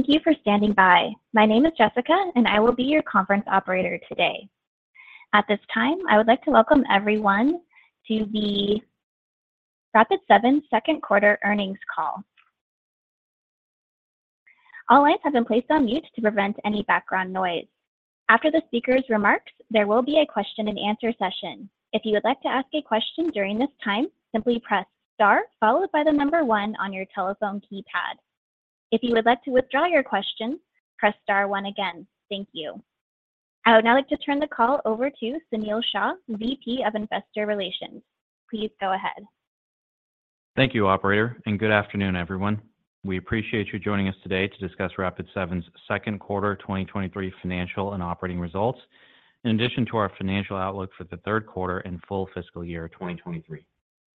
Thank you for standing by. My name is Jessica, and I will be your conference operator today. At this time, I would like to welcome everyone to the Rapid7 Second Quarter Earnings Call. All lines have been placed on mute to prevent any background noise. After the speakers' remarks, there will be a question and answer session. If you would like to ask a question during this time, simply press Star followed by the number 1 on your telephone keypad. If you would like to withdraw your question, press Star 1 again. Thank you. I would now like to turn the call over to Sunil Shah, VP of Investor Relations. Please go ahead. Thank you, operator, and good afternoon, everyone. We appreciate you joining us today to discuss Rapid7's second quarter 2023 financial and operating results, in addition to our financial outlook for the third quarter and full fiscal year 2023.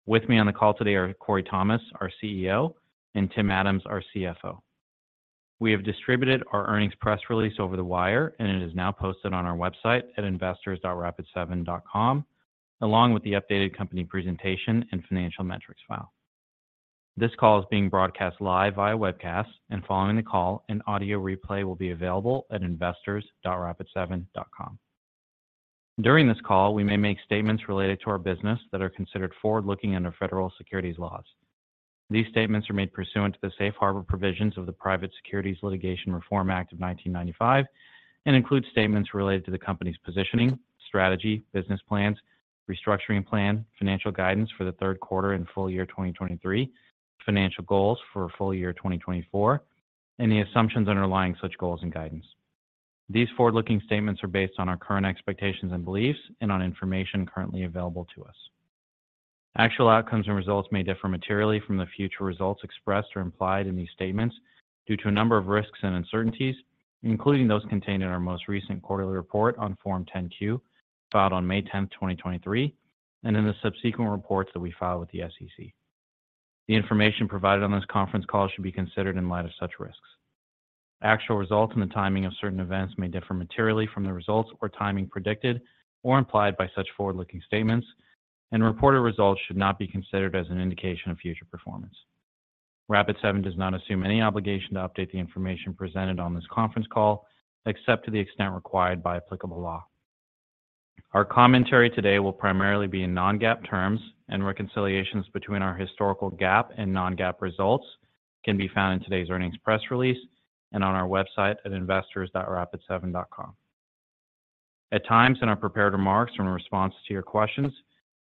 With me on the call today are Corey Thomas, our CEO, and Tim Adams, our CFO. We have distributed our earnings press release over the wire, and it is now posted on our website at investors.rapid7.com, along with the updated company presentation and financial metrics file. This call is being broadcast live via webcast, and following the call, an audio replay will be available at investors.rapid7.com. During this call, we may make statements related to our business that are considered forward-looking under federal securities laws. These statements are made pursuant to the safe harbor provisions of the Private Securities Litigation Reform Act of 1995 and include statements related to the company's positioning, strategy, business plans, restructuring plan, financial guidance for the third quarter and full year 2023, financial goals for full year 2024, and the assumptions underlying such goals and guidance. These forward-looking statements are based on our current expectations and beliefs and on information currently available to us. Actual outcomes and results may differ materially from the future results expressed or implied in these statements due to a number of risks and uncertainties, including those contained in our most recent quarterly report on Form 10-Q, filed on May 10th, 2023, and in the subsequent reports that we file with the SEC. The information provided on this conference call should be considered in light of such risks. Actual results and the timing of certain events may differ materially from the results or timing predicted or implied by such forward-looking statements. Reported results should not be considered as an indication of future performance. Rapid7 does not assume any obligation to update the information presented on this conference call, except to the extent required by applicable law. Our commentary today will primarily be in non-GAAP terms. Reconciliations between our historical GAAP and non-GAAP results can be found in today's earnings press release and on our website at investors.rapid7.com. At times, in our prepared remarks from a response to your questions,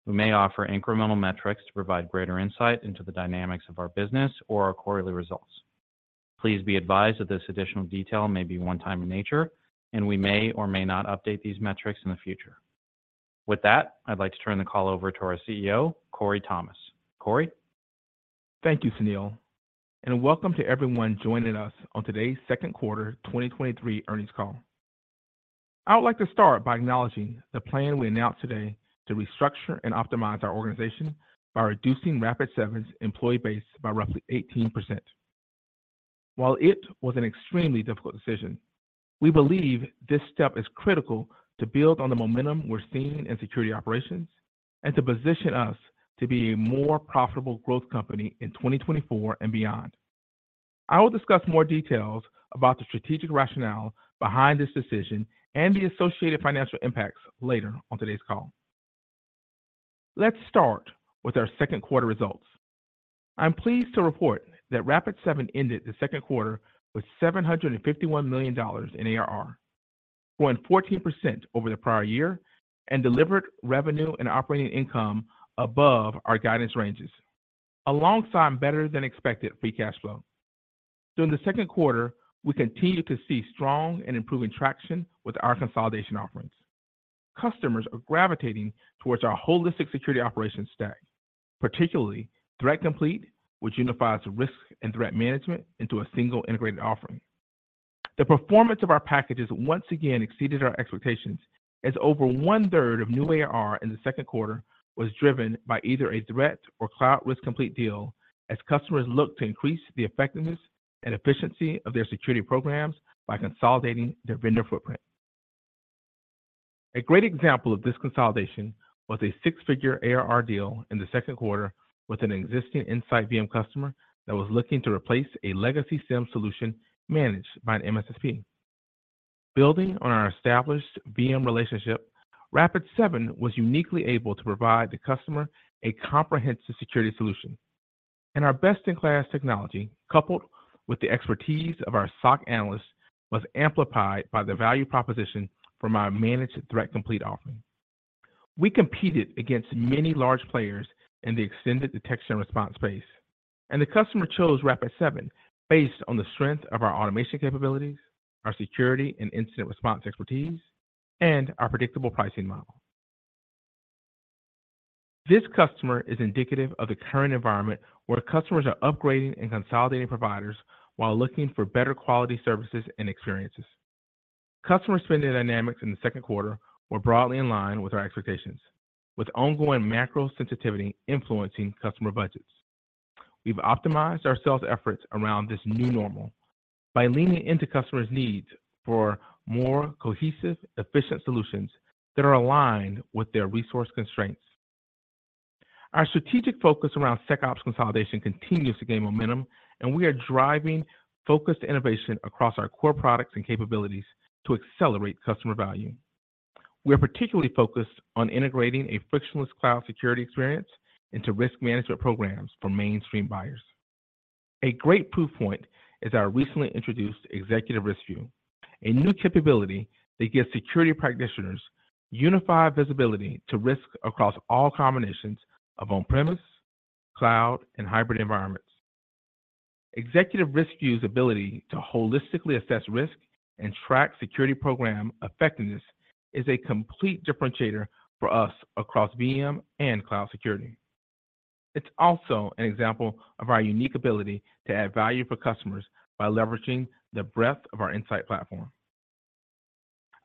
we may offer incremental metrics to provide greater insight into the dynamics of our business or our quarterly results. Please be advised that this additional detail may be one time in nature, and we may or may not update these metrics in the future. With that, I'd like to turn the call over to our CEO, Corey Thomas. Corey? Thank you, Sunil. Welcome to everyone joining us on today's second quarter 2023 earnings call. I would like to start by acknowledging the plan we announced today to restructure and optimize our organization by reducing Rapid7's employee base by roughly 18%. While it was an extremely difficult decision, we believe this step is critical to build on the momentum we're seeing in security operations and to position us to be a more profitable growth company in 2024 and beyond. I will discuss more details about the strategic rationale behind this decision and the associated financial impacts later on today's call. Let's start with our second quarter results. I'm pleased to report that Rapid7 ended the second quarter with $751 million in ARR, growing 14% over the prior year, and delivered revenue and operating income above our guidance ranges, alongside better than expected free cash flow. During the second quarter, we continued to see strong and improving traction with our consolidation offerings. Customers are gravitating towards our holistic security operations stack, particularly Threat Complete, which unifies risk and threat management into a single integrated offering. The performance of our packages once again exceeded our expectations, as over one third of new ARR in the second quarter was driven by either a Threat or Cloud Risk Complete deal as customers look to increase the effectiveness and efficiency of their security programs by consolidating their vendor footprint. A great example of this consolidation was a six-figure ARR deal in the second quarter with an existing InsightVM customer that was looking to replace a legacy SIEM Solution managed by an MSSP. Building on our established VM relationship, Rapid7 was uniquely able to provide the customer a comprehensive security solution, and our best-in-class technology, coupled with the expertise of our SOC analysts, was amplified by the value proposition from our Managed Threat Complete offering. We competed against many large players in the extended detection and response space, and the customer chose Rapid7 based on the strength of our automation capabilities, our security and incident response expertise, and our predictable pricing model. This customer is indicative of the current environment, where customers are upgrading and consolidating providers while looking for better quality services and experiences. Customer spending dynamics in the second quarter were broadly in line with our expectations, with ongoing macro sensitivity influencing customer budgets. We've optimized our sales efforts around this new normal by leaning into customers' needs for more cohesive, efficient solutions that are aligned with their resource constraints. Our strategic focus around SecOps consolidation continues to gain momentum, and we are driving focused innovation across our core products and capabilities to accelerate customer value. We are particularly focused on integrating a frictionless cloud security experience into risk management programs for mainstream buyers. A great proof point is our recently introduced Executive Risk View, a new capability that gives security practitioners unified visibility to risk across all combinations of on-premises, cloud, and hybrid environments. Executive Risk View's ability to holistically assess risk and track security program effectiveness is a complete differentiator for us across VM and cloud security. It's also an example of our unique ability to add value for customers by leveraging the breadth of our Insight Platform.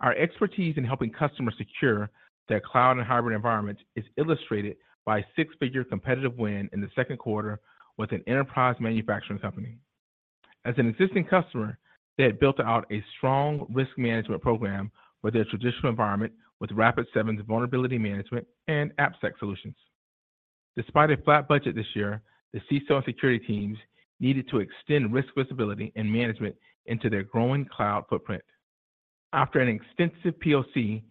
Our expertise in helping customers secure their cloud and hybrid environment is illustrated by a six-figure competitive win in the second quarter with an enterprise manufacturing company. As an existing customer, they had built out a strong risk management program for their traditional environment with Rapid7's vulnerability management and AppSec solutions. Despite a flat budget this year, the CISO security teams needed to extend risk visibility and management into their growing cloud footprint. After an extensive POC,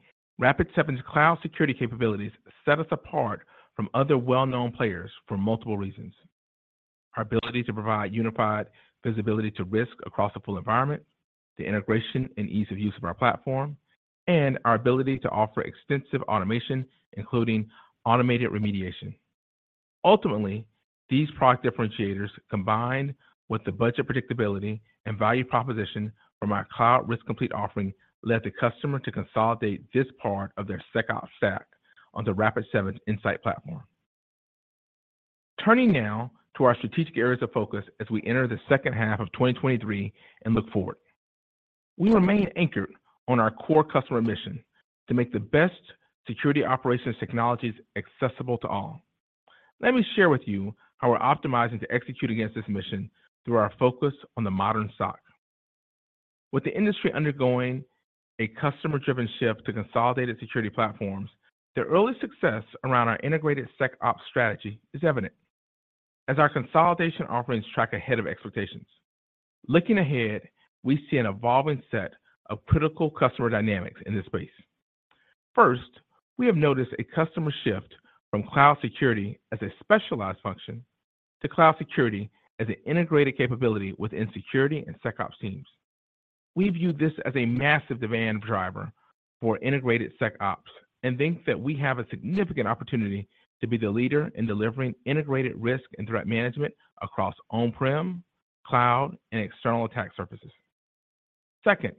Rapid7's cloud security capabilities set us apart from other well-known players for multiple reasons: our ability to provide unified visibility to risk across the full environment, the integration and ease of use of our platform, and our ability to offer extensive automation, including automated remediation. Ultimately, these product differentiators, combined with the budget predictability and value proposition from our Cloud Risk Complete offering, led the customer to consolidate this part of their SecOps stack on the Rapid7 Insight Platform. Turning now to our strategic areas of focus as we enter the second half of 2023 and look forward. We remain anchored on our core customer mission: to make the best security operations technologies accessible to all. Let me share with you how we're optimizing to execute against this mission through our focus on the modern SOC. With the industry undergoing a customer-driven shift to consolidated security platforms, the early success around our integrated SecOps strategy is evident as our consolidation offerings track ahead of expectations. Looking ahead, we see an evolving set of critical customer dynamics in this space. First, we have noticed a customer shift from cloud security as a specialized function to cloud security as an integrated capability within security and SecOps teams. We view this as a massive demand driver for integrated SecOps, and think that we have a significant opportunity to be the leader in delivering integrated risk and threat management across on-prem, cloud, and external attack surfaces. Second,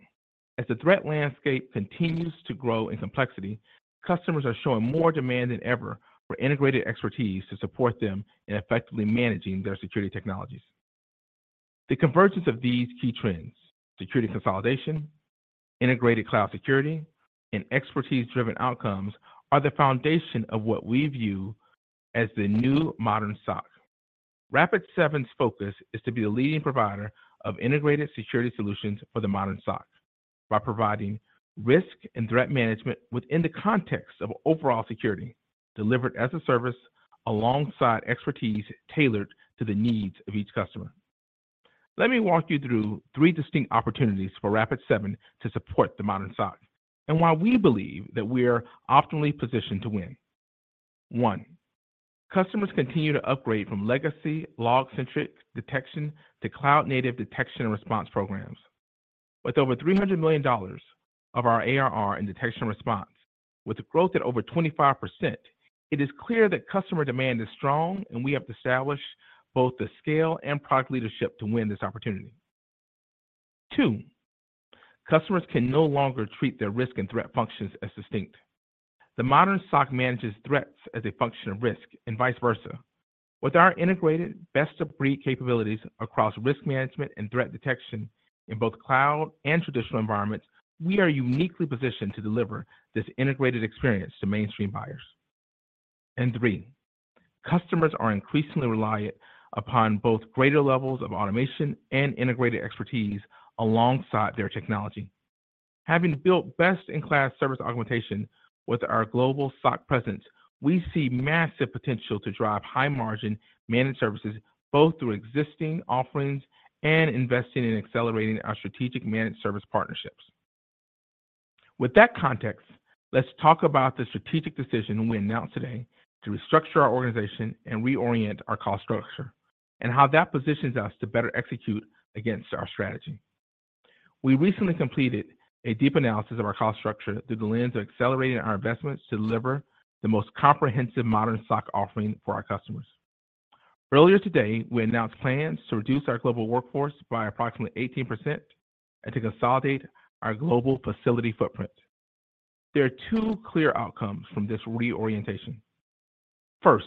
as the threat landscape continues to grow in complexity, customers are showing more demand than ever for integrated expertise to support them in effectively managing their security technologies. The convergence of these key trends, security consolidation, integrated cloud security, and expertise-driven outcomes, are the foundation of what we view as the new modern SOC. Rapid7's focus is to be the leading provider of integrated security solutions for the modern SOC by providing risk and threat management within the context of overall security, delivered as a service alongside expertise tailored to the needs of each customer. Let me walk you through three distinct opportunities for Rapid7 to support the modern SOC, and why we believe that we are optimally positioned to win. One, customers continue to upgrade from legacy log-centric detection to cloud-native detection and response programs. With over $300 million of our ARR in detection and response, with growth at over 25%, it is clear that customer demand is strong, and we have established both the scale and product leadership to win this opportunity. Two, customers can no longer treat their risk and threat functions as distinct. The modern SOC manages threats as a function of risk and vice versa. With our integrated best-of-breed capabilities across risk management and threat detection in both cloud and traditional environments, we are uniquely positioned to deliver this integrated experience to mainstream buyers. Three, customers are increasingly reliant upon both greater levels of automation and integrated expertise alongside their technology. Having built best-in-class service augmentation with our global SOC presence, we see massive potential to drive high-margin managed services, both through existing offerings and investing in accelerating our strategic managed service partnerships. With that context, let's talk about the strategic decision we announced today to restructure our organization and reorient our cost structure, and how that positions us to better execute against our strategy. We recently completed a deep analysis of our cost structure through the lens of accelerating our investments to deliver the most comprehensive modern SOC offering for our customers. Earlier today, we announced plans to reduce our global workforce by approximately 18% and to consolidate our global facility footprint. There are two clear outcomes from this reorientation. First,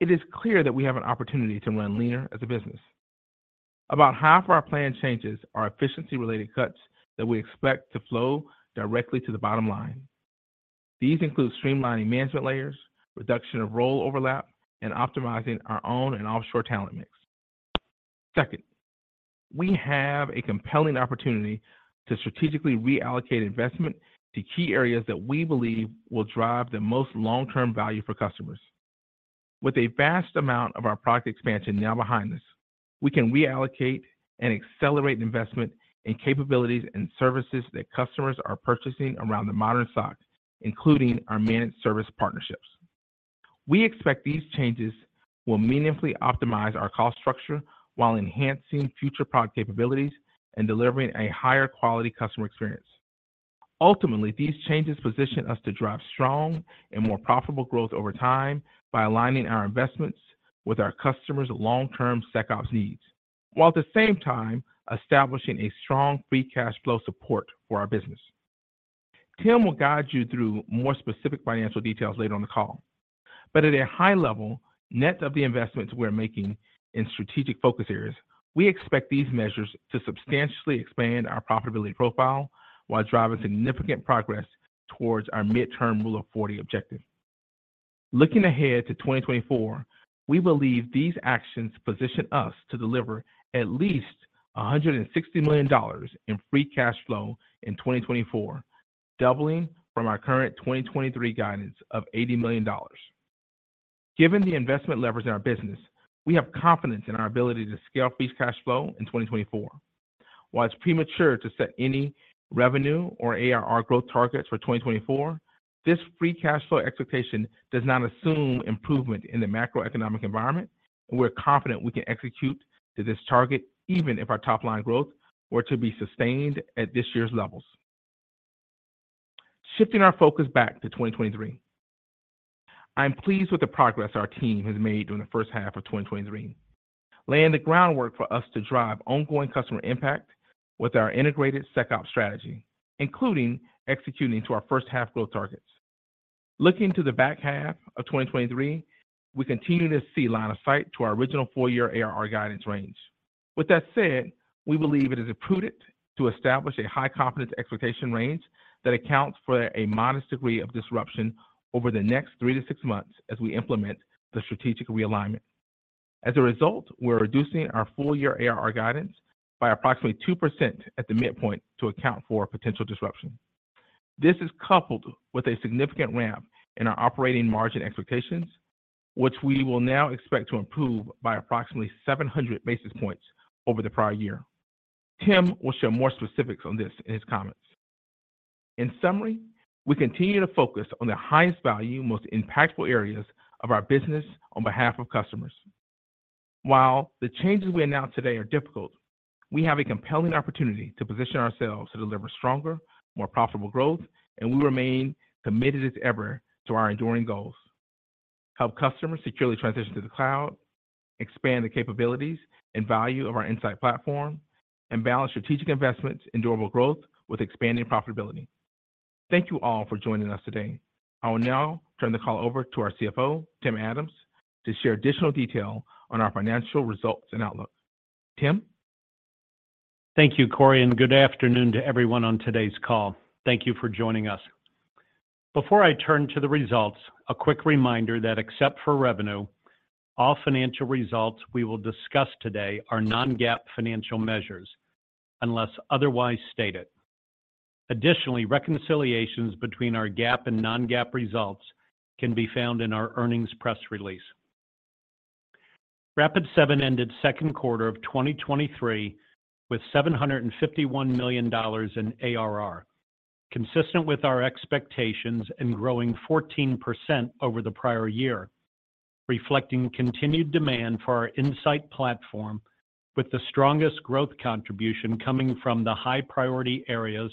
it is clear that we have an opportunity to run leaner as a business. About half of our planned changes are efficiency-related cuts that we expect to flow directly to the bottom line. These include streamlining management layers, reduction of role overlap, and optimizing our own and offshore talent mix. Second, we have a compelling opportunity to strategically reallocate investment to key areas that we believe will drive the most long-term value for customers. With a vast amount of our product expansion now behind us, we can reallocate and accelerate investment in capabilities and services that customers are purchasing around the modern SOC, including our managed service partnerships. We expect these changes will meaningfully optimize our cost structure while enhancing future product capabilities and delivering a higher quality customer experience. Ultimately, these changes position us to drive strong and more profitable growth over time by aligning our investments with our customers' long-term SecOps needs, while at the same time establishing a strong free cash flow support for our business. Tim will guide you through more specific financial details later on the call. At a high level, net of the investments we're making in strategic focus areas, we expect these measures to substantially expand our profitability profile while driving significant progress towards our midterm Rule of 40 objective. Looking ahead to 2024, we believe these actions position us to deliver at least $160 million in free cash flow in 2024, doubling from our current 2023 guidance of $80 million. Given the investment leverage in our business, we have confidence in our ability to scale free cash flow in 2024. While it's premature to set any revenue or ARR growth targets for 2024, this free cash flow expectation does not assume improvement in the macroeconomic environment, we're confident we can execute to this target even if our top-line growth were to be sustained at this year's levels. Shifting our focus back to 2023, I am pleased with the progress our team has made during the first half of 2023, laying the groundwork for us to drive ongoing customer impact with our integrated SecOps strategy, including executing to our first half growth targets. Looking to the back half of 2023, we continue to see line of sight to our original full-year ARR guidance range. With that said, we believe it is prudent to establish a high confidence expectation range that accounts for a modest degree of disruption over the next three to six months as we implement the strategic realignment. As a result, we're reducing our full-year ARR guidance by approximately 2% at the midpoint to account for potential disruption. This is coupled with a significant ramp in our operating margin expectations, which we will now expect to improve by approximately 700 basis points over the prior year. Tim will share more specifics on this in his comments. In summary, we continue to focus on the highest value, most impactful areas of our business on behalf of customers. While the changes we announced today are difficult, we have a compelling opportunity to position ourselves to deliver stronger, more profitable growth. We remain committed as ever to our enduring goals: help customers securely transition to the cloud, expand the capabilities and value of our Insight Platform, and balance strategic investments in durable growth with expanding profitability. Thank you all for joining us today. I will now turn the call over to our CFO, Tim Adams, to share additional detail on our financial results and outlook. Tim? Thank you, Corey, and good afternoon to everyone on today's call. Thank you for joining us. Before I turn to the results, a quick reminder that except for revenue, all financial results we will discuss today are non-GAAP financial measures, unless otherwise stated. Additionally, reconciliations between our GAAP and non-GAAP results can be found in our earnings press release. Rapid7 ended second quarter of 2023 with $751 million in ARR, consistent with our expectations and growing 14% over the prior year, reflecting continued demand for our Insight Platform, with the strongest growth contribution coming from the high-priority areas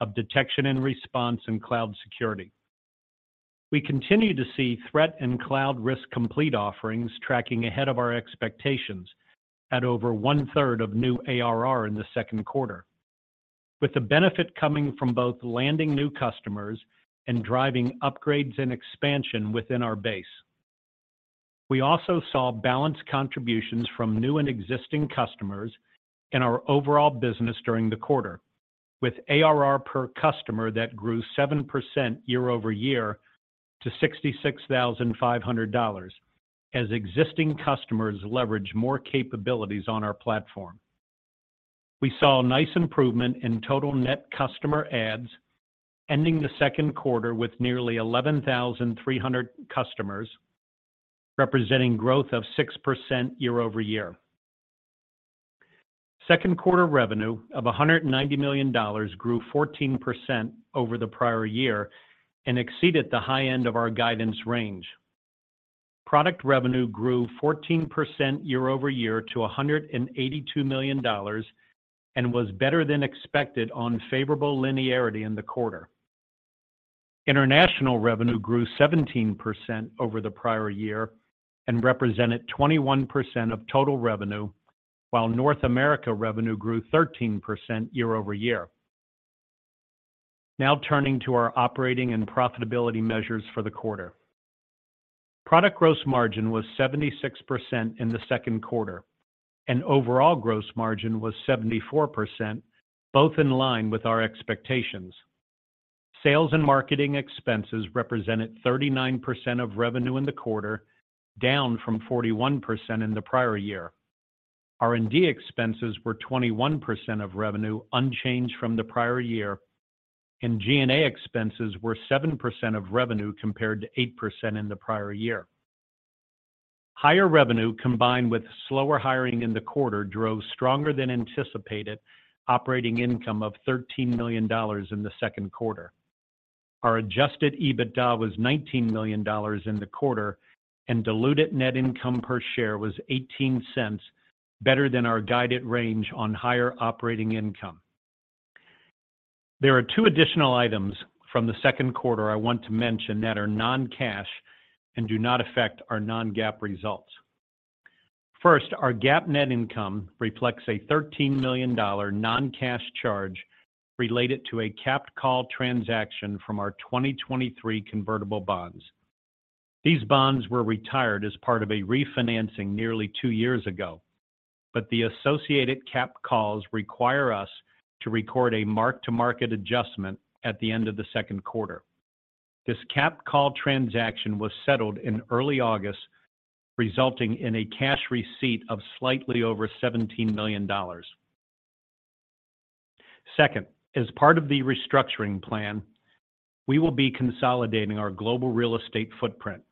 of detection and response and cloud security. We continue to see Threat and Cloud Risk Complete offerings tracking ahead of our expectations at over 1/3 of new ARR in the second quarter, with the benefit coming from both landing new customers and driving upgrades and expansion within our base. We also saw balanced contributions from new and existing customers in our overall business during the quarter, with ARR per customer that grew 7% year-over-year to $66,500, as existing customers leveraged more capabilities on our platform. We saw a nice improvement in total net customer adds, ending the second quarter with nearly 11,300 customers, representing growth of 6% year-over-year. Second quarter revenue of $190 million grew 14% over the prior year and exceeded the high end of our guidance range. Product revenue grew 14% year-over-year to $182 million and was better than expected on favorable linearity in the quarter. International revenue grew 17% over the prior year and represented 21% of total revenue, while North America revenue grew 13% year-over-year. Turning to our operating and profitability measures for the quarter. Product gross margin was 76% in the second quarter, and overall gross margin was 74%, both in line with our expectations. Sales and marketing expenses represented 39% of revenue in the quarter, down from 41% in the prior year. R&D expenses were 21% of revenue, unchanged from the prior year, and G&A expenses were 7% of revenue, compared to 8% in the prior year. Higher revenue, combined with slower hiring in the quarter, drove stronger than anticipated operating income of $13 million in the second quarter. Our adjusted EBITDA was $19 million in the quarter, and diluted net income per share was $0.18, better than our guided range on higher operating income. There are two additional items from the second quarter I want to mention that are non-cash and do not affect our non-GAAP results. First, our GAAP net income reflects a $13 million non-cash charge related to a capped call transaction from our 2023 convertible bonds. These bonds were retired as part of a refinancing nearly two years ago, but the associated capped calls require us to record a mark-to-market adjustment at the end of the second quarter. This capped call transaction was settled in early August, resulting in a cash receipt of slightly over $17 million. Second, as part of the restructuring plan, we will be consolidating our global real estate footprint.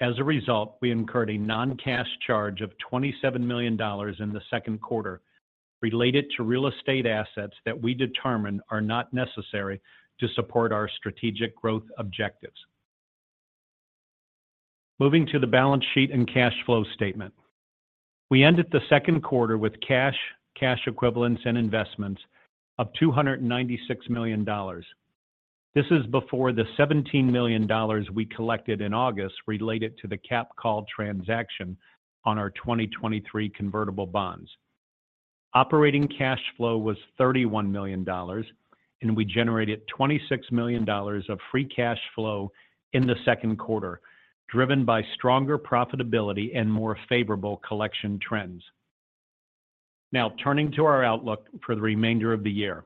As a result, we incurred a non-cash charge of $27 million in the second quarter related to real estate assets that we determine are not necessary to support our strategic growth objectives. Moving to the balance sheet and cash flow statement. We ended the second quarter with cash, cash equivalents, and investments of $296 million. This is before the $17 million we collected in August related to the capped call transaction on our 2023 convertible bonds. Operating cash flow was $31 million, and we generated $26 million of free cash flow in the second quarter, driven by stronger profitability and more favorable collection trends. Now, turning to our outlook for the remainder of the year.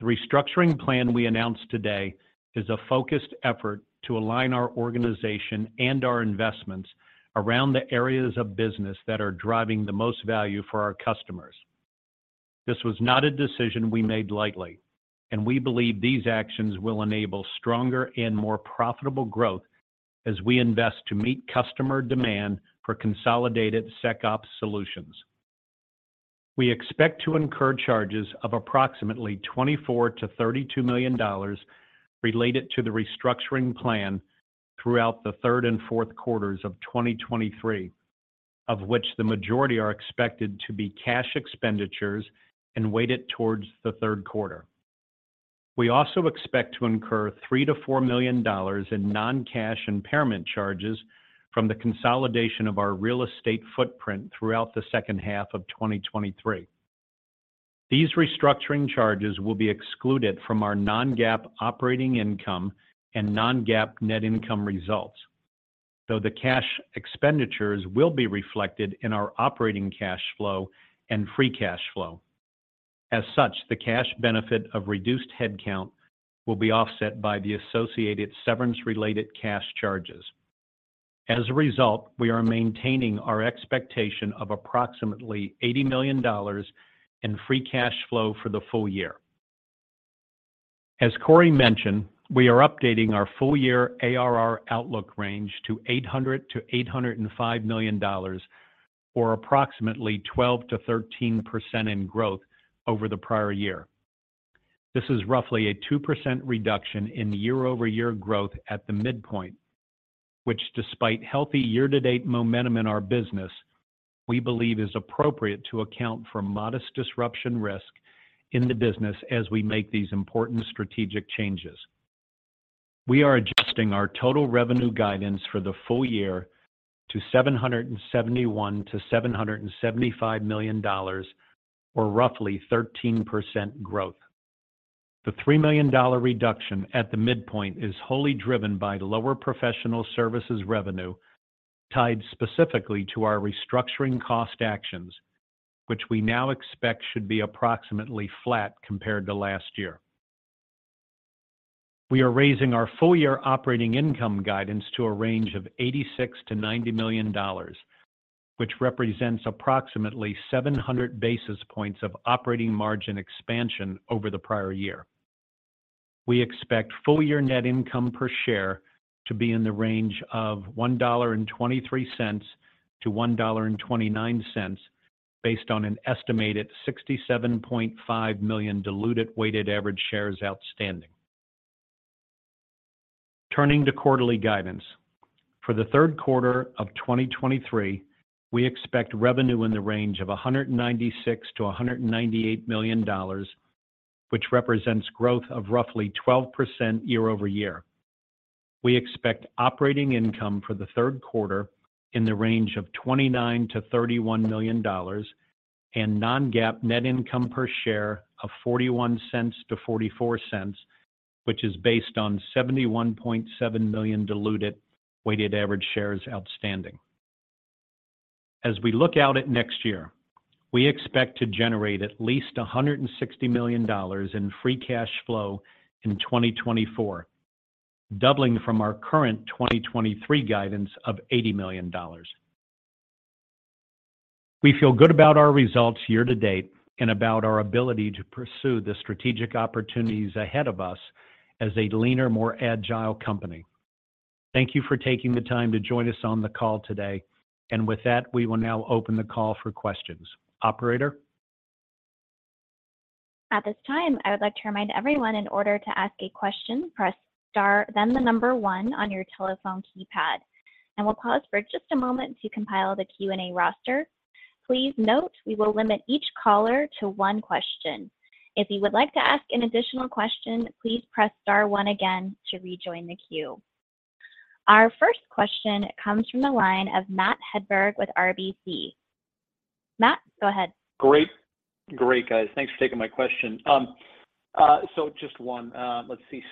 The restructuring plan we announced today is a focused effort to align our organization and our investments around the areas of business that are driving the most value for our customers. This was not a decision we made lightly, and we believe these actions will enable stronger and more profitable growth as we invest to meet customer demand for consolidated SecOps solutions. We expect to incur charges of approximately $24 million-$32 million related to the restructuring plan throughout the third and fourth quarters of 2023, of which the majority are expected to be cash expenditures and weighted towards the third quarter. We also expect to incur $3 million-$4 million in non-cash impairment charges from the consolidation of our real estate footprint throughout the second half of 2023. These restructuring charges will be excluded from our non-GAAP operating income and non-GAAP net income results, though the cash expenditures will be reflected in our operating cash flow and free cash flow. As such, the cash benefit of reduced headcount will be offset by the associated severance-related cash charges. As a result, we are maintaining our expectation of approximately $80 million in free cash flow for the full year. As Corey mentioned, we are updating our full year ARR outlook range to $800 million-$805 million, or approximately 12%-13% in growth over the prior year. This is roughly a 2% reduction in year-over-year growth at the midpoint, which despite healthy year-to-date momentum in our business, we believe is appropriate to account for modest disruption risk in the business as we make these important strategic changes. We are adjusting our total revenue guidance for the full year to $771 million-$775 million, or roughly 13% growth. The $3 million reduction at the midpoint is wholly driven by lower professional services revenue, tied specifically to our restructuring cost actions, which we now expect should be approximately flat compared to last year. We are raising our full year operating income guidance to a range of $86 million-$90 million, which represents approximately 700 basis points of operating margin expansion over the prior year. We expect full year net income per share to be in the range of $1.23-$1.29, based on an estimated 67.5 million diluted weighted average shares outstanding. Turning to quarterly guidance. For the third quarter of 2023, we expect revenue in the range of $196 million-$198 million, which represents growth of roughly 12% year-over-year. We expect operating income for the third quarter in the range of $29 million-$31 million, and non-GAAP net income per share of $0.41-$0.44, which is based on 71.7 million diluted weighted average shares outstanding. As we look out at next year, we expect to generate at least $160 million in free cash flow in 2024, doubling from our current 2023 guidance of $80 million. We feel good about our results year-to-date and about our ability to pursue the strategic opportunities ahead of us as a leaner, more agile company. Thank you for taking the time to join us on the call today. With that, we will now open the call for questions. Operator? At this time, I would like to remind everyone in order to ask a question, press star, then 1 on your telephone keypad. We'll pause for just a moment to compile the Q&A roster. Please note we will limit each caller to 1 question. If you would like to ask an additional question, please press star 1 again to rejoin the queue. Our first question comes from the line of Matt Hedberg with RBC. Matt, go ahead. Great. Great, guys. Thanks for taking my question. Just one. Let's see.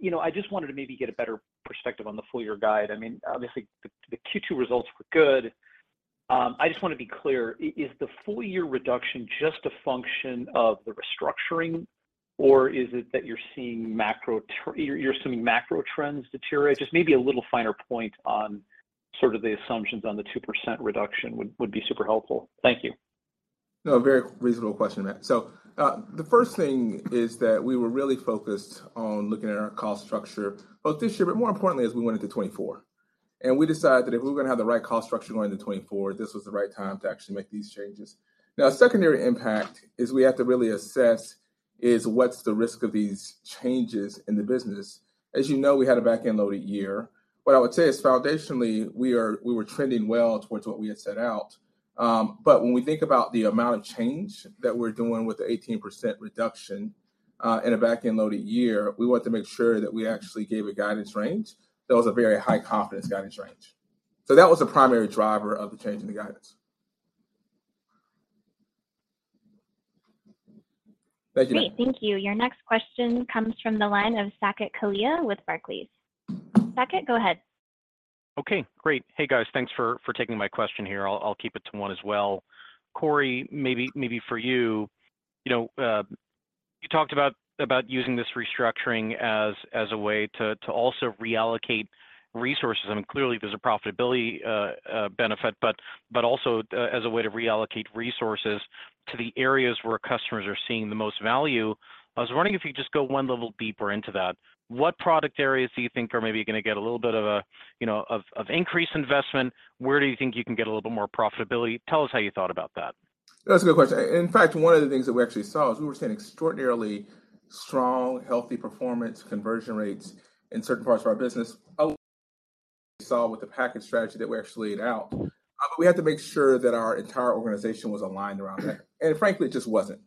You know, I just wanted to maybe get a better perspective on the full year guide. I mean, obviously, the, the Q2 results were good. I just want to be clear, is the full year reduction just a function of the restructuring, or is it that you're seeing macro trends you're, you're assuming macro trends deteriorate? Just maybe a little finer point on sort of the assumptions on the 2% reduction would, would be super helpful. Thank you. No, a very reasonable question, Matt. The first thing is that we were really focused on looking at our cost structure both this year, but more importantly, as we went into 2024. We decided that if we were gonna have the right cost structure going into 2024, this was the right time to actually make these changes. A secondary impact is we have to really assess is what's the risk of these changes in the business? As you know, we had a back-end loaded year. What I would say is, foundationally, we were trending well towards what we had set out. But when we think about the amount of change that we're doing with the 18% reduction, in a back-end loaded year, we want to make sure that we actually gave a guidance range. That was a very high confidence guidance range. That was the primary driver of the change in the guidance. Thank you. Great, thank you. Your next question comes from the line of Saket Kalia with Barclays. Saket, go ahead. Okay, great. Hey, guys. Thanks for, for taking my question here. I'll keep it to one as well. Corey, maybe, maybe for you, you know, you talked about, about using this restructuring as, as a way to, to also reallocate resources. I mean, clearly, there's a profitability benefit, but, but also as a way to reallocate resources to the areas where customers are seeing the most value. I was wondering if you could just go one level deeper into that. What product areas do you think are maybe gonna get a little bit of a, you know, increased investment? Where do you think you can get a little bit more profitability? Tell us how you thought about that. That's a good question. In fact, one of the things that we actually saw is we were seeing extraordinarily strong, healthy performance conversion rates in certain parts of our business. We saw with the package strategy that we actually laid out, we had to make sure that our entire organization was aligned around that, frankly, it just wasn't.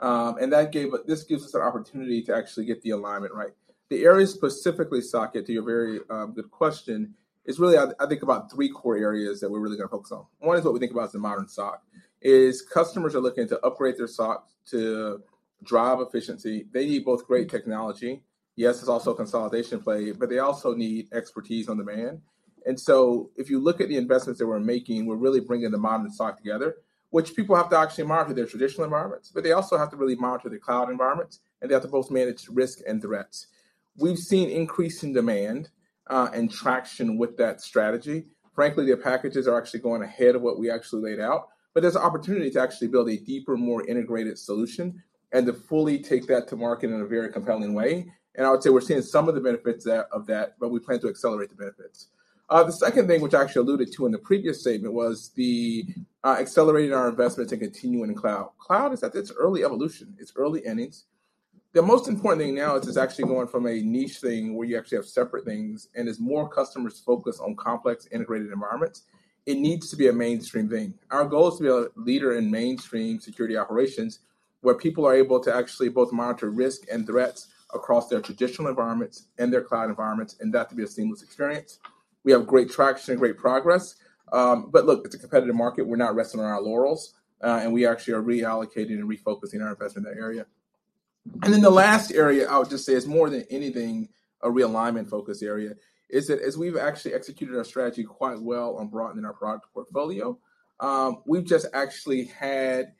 That gave us-- This gives us an opportunity to actually get the alignment right. The areas, specifically, Saket, to your very, good question, is really, I think about three core areas that we're really gonna focus on. One is what we think about as the modern SOC, is customers are looking to upgrade their SOC to drive efficiency. They need both great technology, yes, it's also a consolidation play, they also need expertise on demand. If you look at the investments that we're making, we're really bringing the modern SOC together, which people have to actually monitor their traditional environments, but they also have to really monitor their cloud environments, and they have to both manage risk and threats. We've seen increase in demand and traction with that strategy. Frankly, their packages are actually going ahead of what we actually laid out, but there's an opportunity to actually build a deeper, more integrated solution and to fully take that to market in a very compelling way. I would say we're seeing some of the benefits of that, but we plan to accelerate the benefits. The second thing, which I actually alluded to in the previous statement, was the accelerating our investment to continuing cloud. Cloud is at its early evolution, its early innings. The most important thing now is it's actually going from a niche thing where you actually have separate things, and as more customers focus on complex integrated environments, it needs to be a mainstream thing. Our goal is to be a leader in mainstream security operations, where people are able to actually both monitor risk and threats across their traditional environments and their cloud environments, and that to be a seamless experience. We have great traction and great progress, but look, it's a competitive market, we're not resting on our laurels, and we actually are reallocating and refocusing our investment in that area. Then the last area, I would just say, is more than anything, a realignment focus area, is that as we've actually executed our strategy quite well on broadening our product portfolio, we've just actually had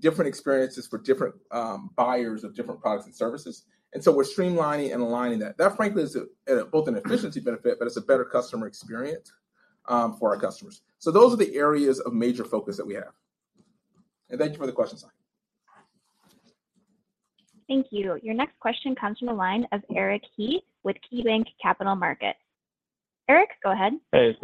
different experiences for different buyers of different products and services, and so we're streamlining and aligning that. That, frankly, is a, both an efficiency benefit, but it's a better customer experience for our customers. So those are the areas of major focus that we have. Thank you for the question, Saket. Thank you. Your next question comes from the line of Eric Heath with KeyBanc Capital Markets. Eric, go ahead. Hey,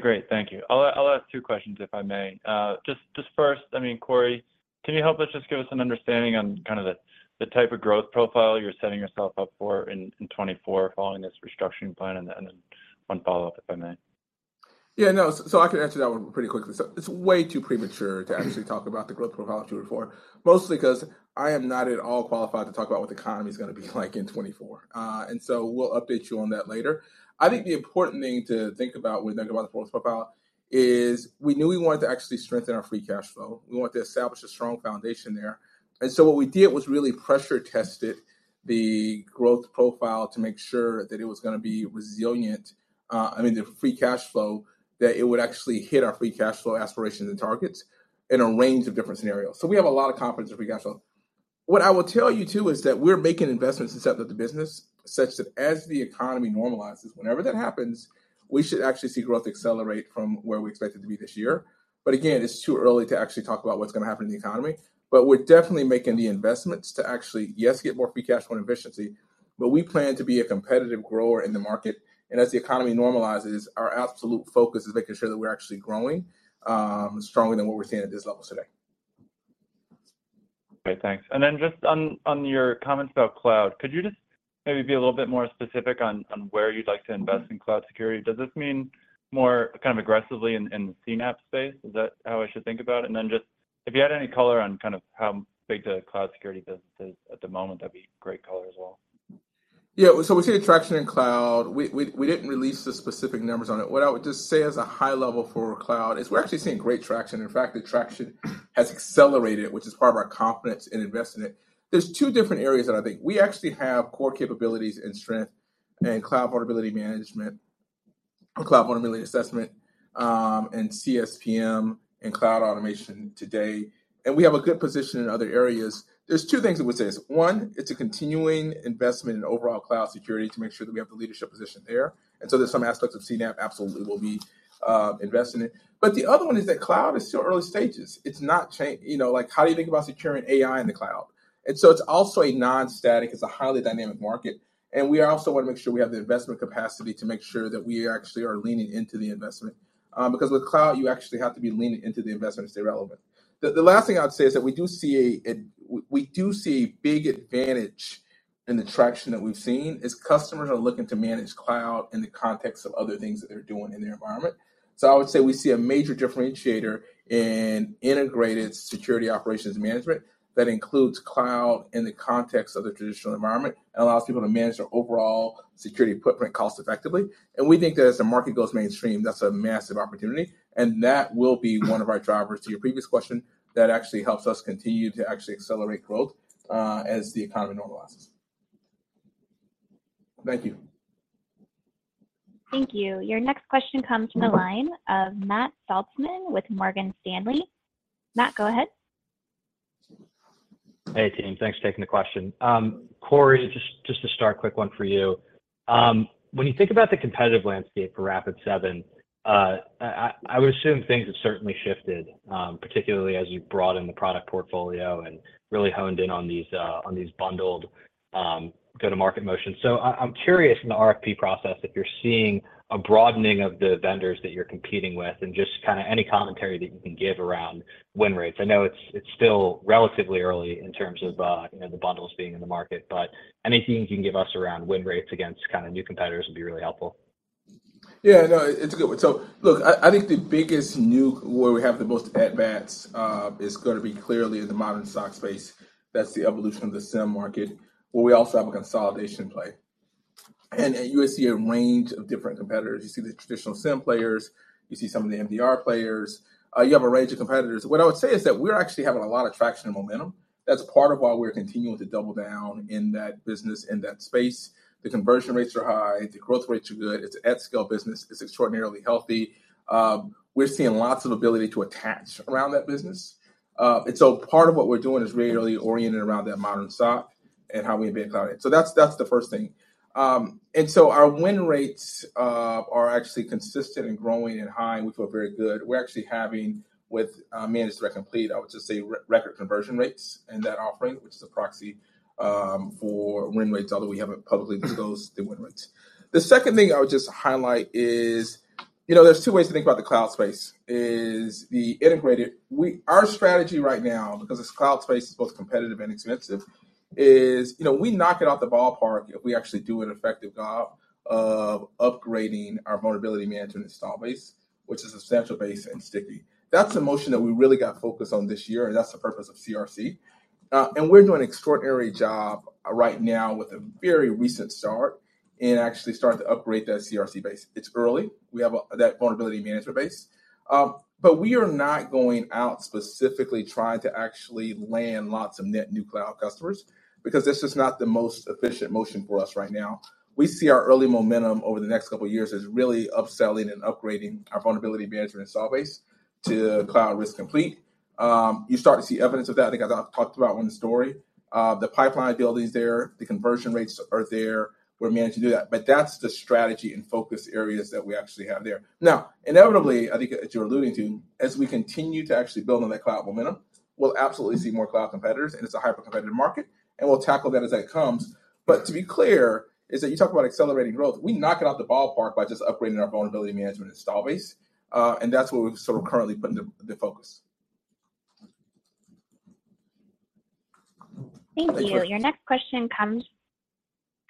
great. Thank you. I'll, I'll ask two questions, if I may. just, just first, I mean, Corey, can you help us just give us an understanding on kind of the, the type of growth profile you're setting yourself up for in, in 2024 following this restructuring plan? one follow-up, if I may. Yeah, no. I can answer that one pretty quickly. It's way too premature to actually talk about the growth profile of 2024, mostly 'cause I am not at all qualified to talk about what the economy is gonna be like in 2024. We'll update you on that later. I think the important thing to think about when thinking about the growth profile is we knew we wanted to actually strengthen our free cash flow. We wanted to establish a strong foundation there. What we did was really pressure tested the growth profile to make sure that it was gonna be resilient, I mean, the free cash flow, that it would actually hit our free cash flow aspirations and targets in a range of different scenarios. We have a lot of confidence in free cash flow. What I will tell you, too, is that we're making investments inside of the business, such that as the economy normalizes, whenever that happens, we should actually see growth accelerate from where we expect it to be this year. Again, it's too early to actually talk about what's going to happen in the economy. We're definitely making the investments to actually, yes, get more free cash flow and efficiency, but we plan to be a competitive grower in the market. As the economy normalizes, our absolute focus is making sure that we're actually growing stronger than what we're seeing at this level today. Great, thanks. Just on your comments about cloud, could you just maybe be a little bit more specific on, on where you'd like to invest in cloud security? Does this mean more kind of aggressively in CNAPP space? Is that how I should think about it? Just if you had any color on kind of how big the cloud security business is at the moment, that'd be great color as well. Yeah, so we're seeing traction in cloud. We, we, we didn't release the specific numbers on it. What I would just say as a high level for cloud is we're actually seeing great traction. In fact, the traction has accelerated, which is part of our confidence in investing in it. There's two different areas that I think. We actually have core capabilities and strength in cloud vulnerability management, cloud vulnerability assessment, and CSPM and cloud automation today, and we have a good position in other areas. There's two things I would say is, one, it's a continuing investment in overall cloud security to make sure that we have the leadership position there. And so there's some aspects of CNAPP, absolutely, we'll be investing in. The other one is that cloud is still early stages. It's not you know, like, how do you think about securing AI in the cloud? It's also a non-static, it's a highly dynamic market, and we also want to make sure we have the investment capacity to make sure that we actually are leaning into the investment. Because with cloud, you actually have to be leaning into the investment to stay relevant. The, the last thing I'd say is that we do see big advantage in the traction that we've seen, is customers are looking to manage cloud in the context of other things that they're doing in their environment. I would say we see a major differentiator in integrated security operations management that includes cloud in the context of the traditional environment, and allows people to manage their overall security footprint cost effectively. We think that as the market goes mainstream, that's a massive opportunity, and that will be one of our drivers, to your previous question, that actually helps us continue to actually accelerate growth, as the economy normalizes. Thank you. Thank you. Your next question comes from the line of Matt Saltzman with Morgan Stanley. Matt, go ahead. Hey, team. Thanks for taking the question. Corey, just, just to start, a quick one for you. When you think about the competitive landscape for Rapid7, I would assume things have certainly shifted, particularly as you've brought in the product portfolio and really honed in on these, on these bundled, go-to-market motions. I'm curious in the RFP process, if you're seeing a broadening of the vendors that you're competing with, and just kind of any commentary that you can give around win rates. I know it's, it's still relatively early in terms of, you know, the bundles being in the market, but anything you can give us around win rates against kind of new competitors would be really helpful. Yeah, no, it's a good one. Look, I think the biggest new where we have the most advance, is gonna be clearly in the modern SOC space. That's the evolution of the SIEM market, but we also have a consolidation play. You will see a range of different competitors. You see the traditional SIEM players, you see some of the MDR players, you have a range of competitors. What I would say is that we're actually having a lot of traction and momentum. That's part of why we're continuing to double down in that business, in that space. The conversion rates are high, the growth rates are good, it's an at-scale business, it's extraordinarily healthy. We're seeing lots of ability to attach around that business. So part of what we're doing is really oriented around that modern SOC and how we embed cloud in it. That's the first thing. So our win rates are actually consistent and growing and high, and we feel very good. We're actually having, with Managed Threat Complete, I would just say re-record conversion rates in that offering, which is a proxy for win rates, although we haven't publicly disclosed the win rates. The second thing I would just highlight is, you know, there's two ways to think about the cloud space, is Our strategy right now, because this cloud space is both competitive and expensive, is, you know, we knock it out the ballpark if we actually do an effective job of upgrading our vulnerability management install base, which is a substantial base and sticky. That's the motion that we really got focused on this year, and that's the purpose of CRC. We're doing an extraordinary job right now with a very recent start in actually starting to upgrade that CRC base. It's early. We have that vulnerability management base. We are not going out specifically trying to actually land lots of net new cloud customers, because it's just not the most efficient motion for us right now. We see our early momentum over the next couple of years as really upselling and upgrading our vulnerability management install base to Cloud Risk Complete. You start to see evidence of that, I think as I've talked about on the story. The pipeline ability is there, the conversion rates are there, we're managed to do that, but that's the strategy and focus areas that we actually have there. Inevitably, I think as you're alluding to, as we continue to actually build on that cloud momentum, we'll absolutely see more cloud competitors, and it's a hyper-competitive market, and we'll tackle that as that comes. To be clear, is that you talk about accelerating growth, we knock it out the ballpark by just upgrading our vulnerability management install base, and that's where we've sort of currently putting the focus. Thank you. Your next question comes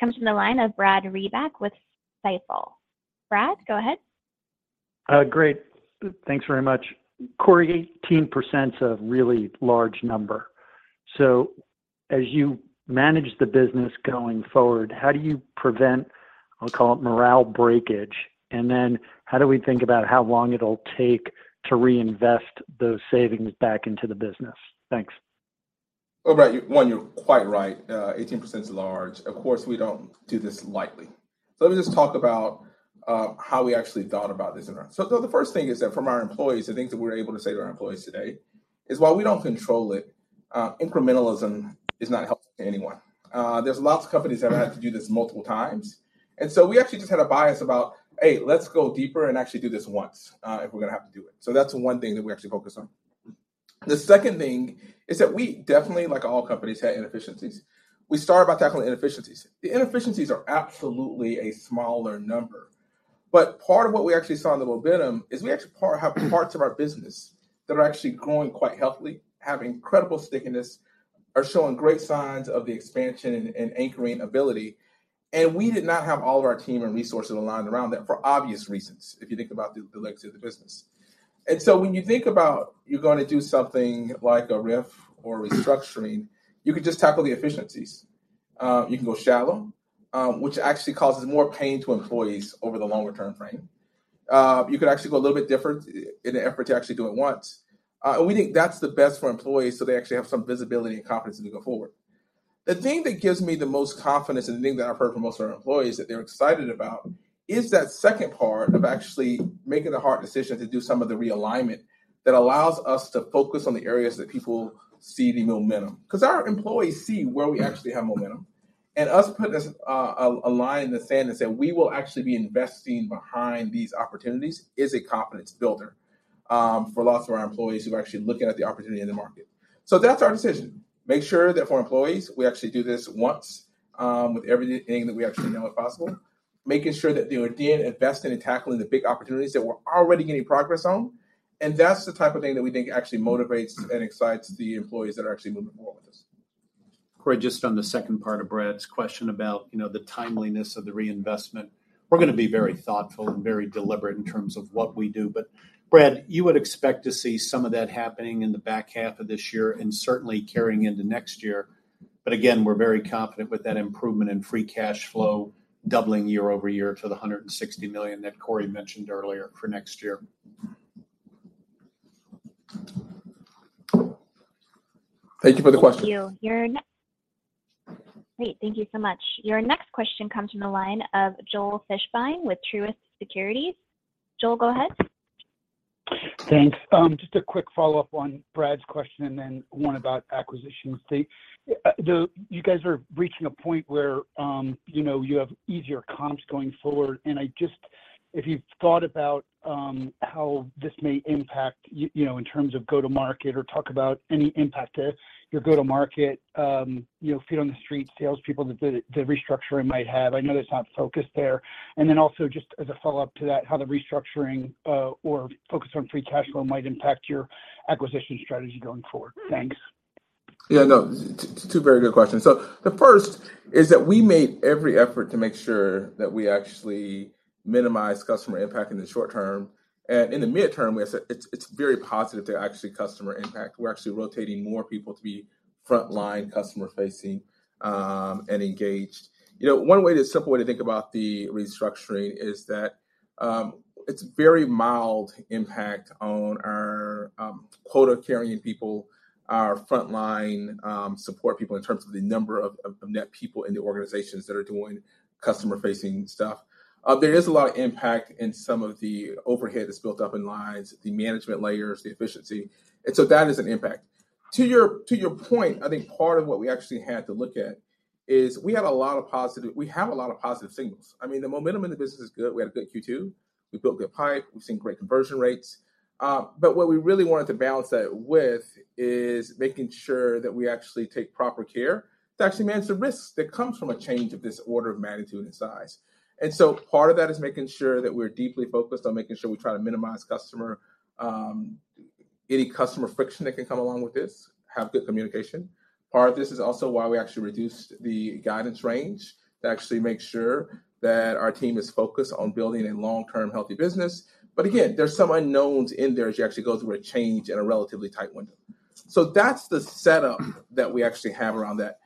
from the line of Brad Reback with Stifel. Brad, go ahead. Great. Thanks very much. Corey, 18% is a really large number. So as you manage the business going forward, how do you prevent, I'll call it morale breakage? Then how do we think about how long it'll take to reinvest those savings back into the business? Thanks. Oh, Brad, one, you're quite right, 18% is large. Of course, we don't do this lightly. Let me just talk about how we actually thought about this and around. The first thing is that from our employees, the things that we're able to say to our employees today, is while we don't control it, incrementalism is not helpful to anyone. There's lots of companies that have had to do this multiple times, we actually just had a bias about, "Hey, let's go deeper and actually do this once, if we're gonna have to do it." That's the 1 thing that we actually focused on. The second thing is that we definitely, like all companies, had inefficiencies. We start by tackling inefficiencies. The inefficiencies are absolutely a smaller number, but part of what we actually saw in the momentum is we actually have parts of our business that are actually growing quite healthily, have incredible stickiness, are showing great signs of the expansion and, and anchoring ability, and we did not have all of our team and resources aligned around that for obvious reasons, if you think about the legacy of the business. When you think about you're going to do something like a RIF or restructuring, you can just tackle the efficiencies. You can go shallow, which actually causes more pain to employees over the longer term frame. You could actually go a little bit different in an effort to actually do it once. We think that's the best for employees, so they actually have some visibility and confidence as we go forward. The thing that gives me the most confidence and the thing that I've heard from most of our employees that they're excited about, is that second part of actually making the hard decision to do some of the realignment, that allows us to focus on the areas that people see the momentum. 'Cause our employees see where we actually have momentum, and us putting a line in the sand and saying, "We will actually be investing behind these opportunities," is a confidence builder for lots of our employees who are actually looking at the opportunity in the market. That's our decision. Make sure that for employees, we actually do this once with everything that we actually know is possible. Making sure that they are then investing in tackling the big opportunities that we're already getting progress on. That's the type of thing that we think actually motivates and excites the employees that are actually moving forward with us. Corey, just on the second part of Brad's question about, you know, the timeliness of the reinvestment. We're gonna be very thoughtful and very deliberate in terms of what we do, but Brad, you would expect to see some of that happening in the back half of this year and certainly carrying into next year. Again, we're very confident with that improvement in free cash flow doubling year-over-year to the $160 million that Corey mentioned earlier for next year. Thank you for the question. Thank you. Great, thank you so much. Your next question comes from the line of Joel Fishbein with Truist Securities. Joel, go ahead. Thanks. Just a quick follow-up on Brad's question and then one about acquisitions. You guys are reaching a point where, you know, you have easier comps going forward, and if you've thought about how this may impact, you know, in terms of go-to-market or talk about any impact to your go-to-market, you know, feet on the street, salespeople, that restructuring might have. I know that's not focused there. Also just as a follow-up to that, how the restructuring or focus on free cash flow might impact your acquisition strategy going forward? Thanks. Yeah, no, two very good questions. The first is that we made every effort to make sure that we actually minimize customer impact in the short term, and in the mid-term, we have said it's, it's very positive to actually customer impact. We're actually rotating more people to be frontline, customer-facing, and engaged. You know, a simple way to think about the restructuring is that it's very mild impact on our quota-carrying people, our frontline support people in terms of the number of net people in the organizations that are doing customer-facing stuff. There is a lot of impact in some of the overhead that's built up in lines, the management layers, the efficiency, and so that is an impact. To your, to your point, I think part of what we actually had to look at is we had a lot of positive-- we have a lot of positive signals. I mean, the momentum in the business is good. We had a good Q2, we built good pipe, we've seen great conversion rates. What we really wanted to balance that with is making sure that we actually take proper care to actually manage the risks that comes from a change of this order of magnitude and size. Part of that is making sure that we're deeply focused on making sure we try to minimize customer, any customer friction that can come along with this, have good communication. Part of this is also why we actually reduced the guidance range, to actually make sure that our team is focused on building a long-term, healthy business. Again, there's some unknowns in there as you actually go through a change in a relatively tight window. That's the setup that we actually have around that.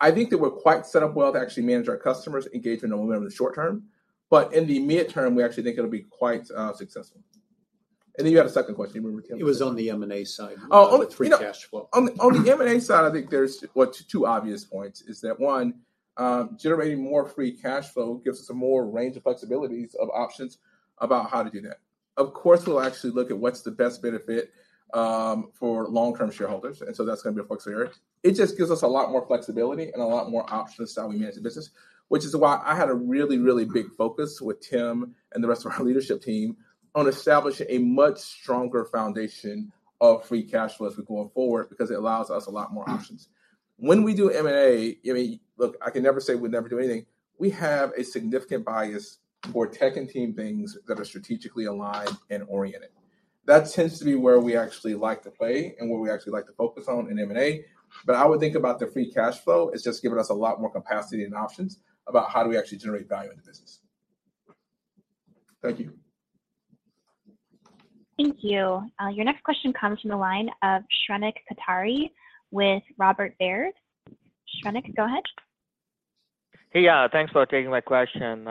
I think that we're quite set up well to actually manage our customers, engage in the momentum in the short term, but in the mid-term, we actually think it'll be quite successful. Then you had a second question. You remember, Tim? It was on the M&A side. Free cash flow. On the, on the M&A side, I think there's, well, two obvious points, is that, one, generating more free cash flow gives us a more range of flexibilities of options about how to do that. Of course, we'll actually look at what's the best benefit for long-term shareholders. That's gonna be a focus area. It just gives us a lot more flexibility and a lot more options to how we manage the business, which is why I had a really, really big focus with Tim and the rest of our leadership team on establishing a much stronger foundation of free cash flow as we're going forward, because it allows us a lot more options. When we do M&A, I mean, look, I can never say we'd never do anything. We have a significant bias for tech and team things that are strategically aligned and oriented. That tends to be where we actually like to play and what we actually like to focus on in M&A. I would think about the free cash flow as just giving us a lot more capacity and options about how do we actually generate value in the business. Thank you. Thank you. Your next question comes from the line of Shrenik Kothari with Robert Baird. Shrenik, go ahead. Hey, thanks for taking my question.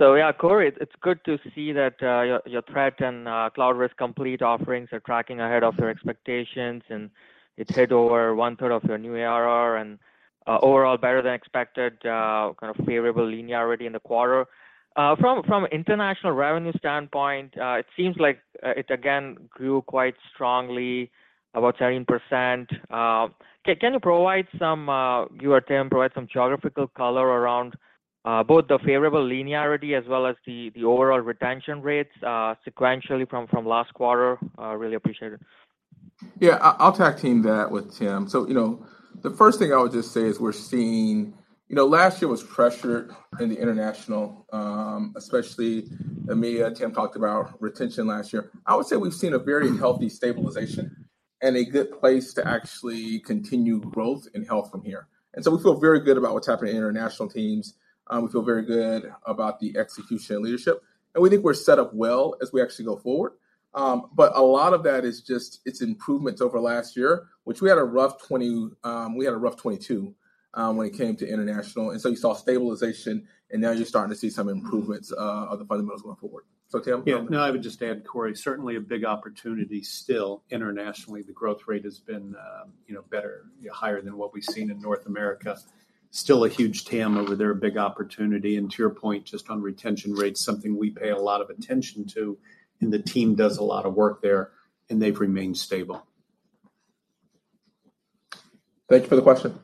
Yeah, Corey, it's, it's good to see that your, your Threat and Cloud Risk Complete offerings are tracking ahead of your expectations, and it's hit over one third of your new ARR and overall better than expected, kind of favorable linearity in the quarter. From, from international revenue standpoint, it seems like it again grew quite strongly, about 13%. Can you provide some, you or Tim provide some geographical color around both the favorable linearity as well as the, the overall retention rates, sequentially from, from last quarter? Really appreciate it. Yeah, I'll tag team that with Tim. You know, the first thing I would just say is we're seeing. You know, last year was pressured in the international, especially EMEA. Tim talked about retention last year. I would say we've seen a very healthy stabilization and a good place to actually continue growth and health from here. So we feel very good about what's happening in international teams. We feel very good about the execution and leadership, and we think we're set up well as we actually go forward. A lot of that is just it's improvements over last year, which we had a rough 20%, we had a rough 22%, when it came to international. So you saw stabilization, and now you're starting to see some improvements of the fundamentals going forward. Tim? Yeah. No, I would just add, Corey, certainly a big opportunity still internationally. The growth rate has been, you know, better, higher than what we've seen in North America. Still a huge TAM over there, a big opportunity, and to your point, just on retention rates, something we pay a lot of attention to, and the team does a lot of work there, and they've remained stable. Thank you for the question.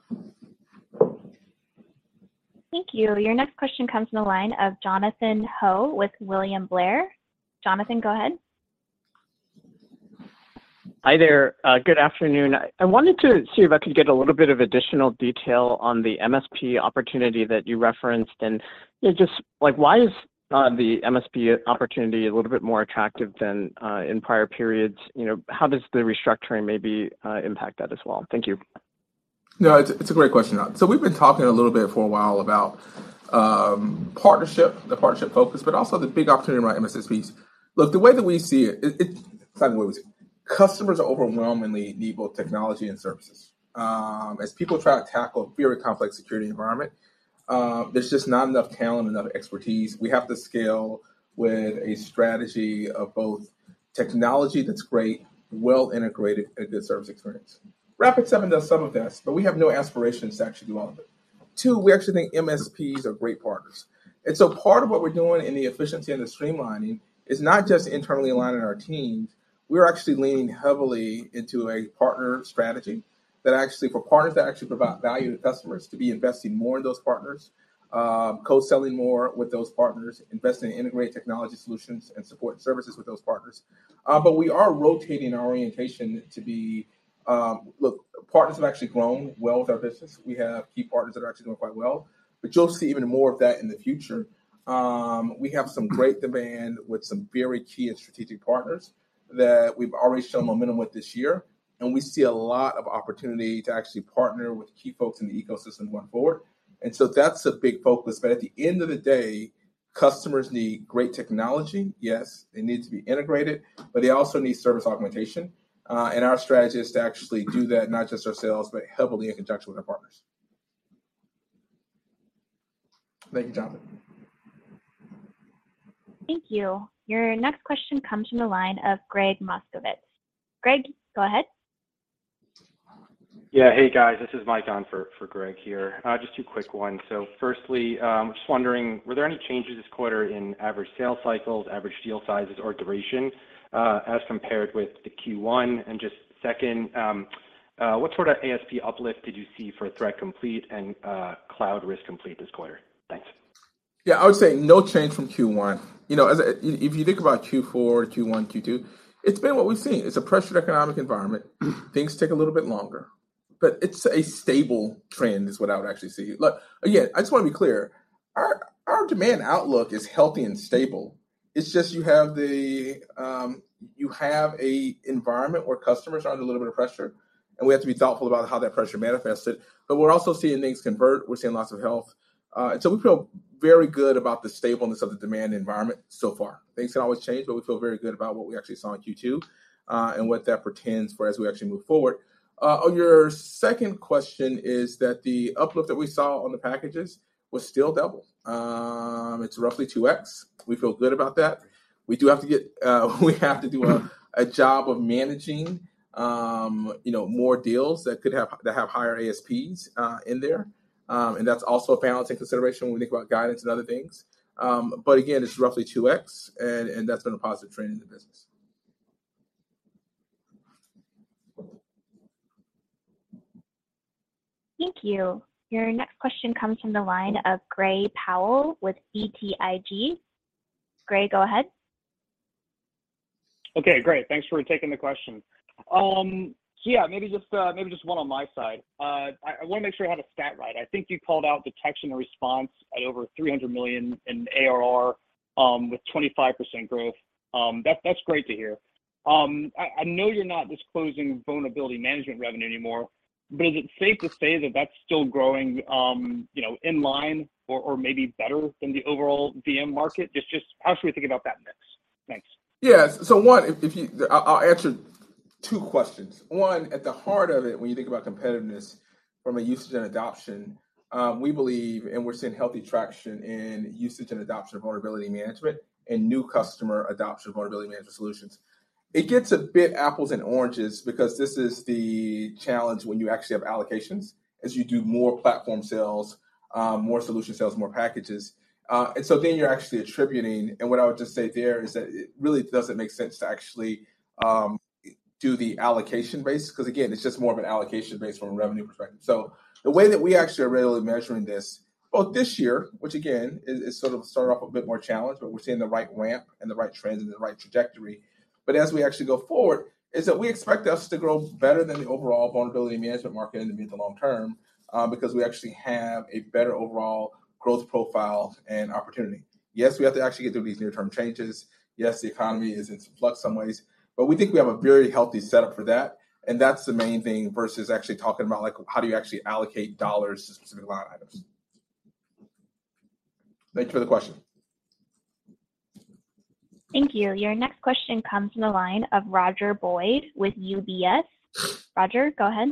Thank you. Your next question comes from the line of Jonathan Ho with William Blair. Jonathan, go ahead. Hi there. Good afternoon. I wanted to see if I could get a little bit of additional detail on the MSP opportunity that you referenced. You know, just like, why is the MSP opportunity a little bit more attractive than in prior periods? You know, how does the restructuring maybe impact that as well? Thank you. No, it's a great question. We've been talking a little bit for a while about partnership, the partnership focus, but also the big opportunity around MSPs. Look, the way that we see it, Let me word this. Customers overwhelmingly need both technology and services. As people try to tackle a very complex security environment, there's just not enough talent, enough expertise. We have to scale with a strategy of both technology that's great, well integrated, and a good service experience. Rapid7 does some of this, but we have no aspirations to actually do all of it. Two, we actually think MSPs are great partners. Part of what we're doing in the efficiency and the streamlining is not just internally aligning our teams, we're actually leaning heavily into a partner strategy that actually, for partners that actually provide value to customers, to be investing more in those partners, co-selling more with those partners, investing in integrated technology solutions and support services with those partners. We are rotating our orientation to be. Look, partners have actually grown well with our business. We have key partners that are actually doing quite well, but you'll see even more of that in the future. We have some great demand with some very key and strategic partners that we've already shown momentum with this year, and we see a lot of opportunity to actually partner with key folks in the ecosystem going forward. That's a big focus. At the end of the day, customers need great technology, yes, it needs to be integrated, but they also need service augmentation. Our strategy is to actually do that, not just ourselves, but heavily in conjunction with our partners. Thank you, Jonathan. Thank you. Your next question comes from the line of Gregg Moskowitz. Greg, go ahead. Yeah. Hey, guys. This is Mike on for, for Gregg here. Just two quick ones. Firstly, just wondering, were there any changes this quarter in average sales cycles, average deal sizes, or duration, as compared with the Q1? Just second, what sort of ASP uplift did you see for Threat Complete and Cloud Risk Complete this quarter? Thanks. Yeah, I would say no change from Q1. You know, if, if you think about Q4, Q1, Q2, it's been what we've seen. It's a pressured economic environment. Things take a little bit longer, but it's a stable trend is what I would actually see. Look, again, I just wanna be clear, our, our demand outlook is healthy and stable. It's just you have the, you have a environment where customers are under a little bit of pressure, and we have to be thoughtful about how that pressure manifested. We're also seeing things convert. We're seeing lots of health. So we feel very good about the stableness of the demand environment so far. Things can always change, but we feel very good about what we actually saw in Q2, and what that portends for as we actually move forward. On your second question is that the uplift that we saw on the packages was still double. It's roughly 2x. We feel good about that. We do have to get, we have to do a, a job of managing, you know, more deals that could have, that have higher ASPs in there. That's also a factor to take into consideration when we think about guidance and other things. Again, it's roughly 2x, and that's been a positive trend in the business. Thank you. Your next question comes from the line of Gray Powell with BTIG. Gray, go ahead. Okay, great. Thanks for taking the question. Yeah, maybe just one on my side. I wanna make sure I have the stat right. I think you called out detection and response at over $300 million in ARR with 25% growth. That, that's great to hear. I know you're not disclosing vulnerability management revenue anymore, but is it safe to say that that's still growing, you know, in line or, or maybe better than the overall VM market? Just, just how should we think about that mix? Yes. one, if you, I'll answer two questions. One, at the heart of it, when you think about competitiveness from a usage and adoption, we believe, and we're seeing healthy traction in usage and adoption of vulnerability management and new customer adoption of vulnerability management solutions. It gets a bit apples and oranges because this is the challenge when you actually have allocations. As you do more platform sales, more solution sales, more packages, and so then you're actually attributing. What I would just say there is that it really doesn't make sense to actually, do the allocation base, 'cause, again, it's just more of an allocation base from a revenue perspective. The way that we actually are really measuring this, both this year, which again, is, is sort of started off a bit more challenged, but we're seeing the right ramp and the right trends and the right trajectory. As we actually go forward, is that we expect us to grow better than the overall vulnerability management market in the mid to long term, because we actually have a better overall growth profile and opportunity. Yes, we have to actually get through these near-term changes. Yes, the economy is in flux some ways, but we think we have a very healthy setup for that, and that's the main thing, versus actually talking about, like, how do you actually allocate dollars to specific line items. Thanks for the question. Thank you. Your next question comes from the line of Roger Boyd with UBS. Roger, go ahead.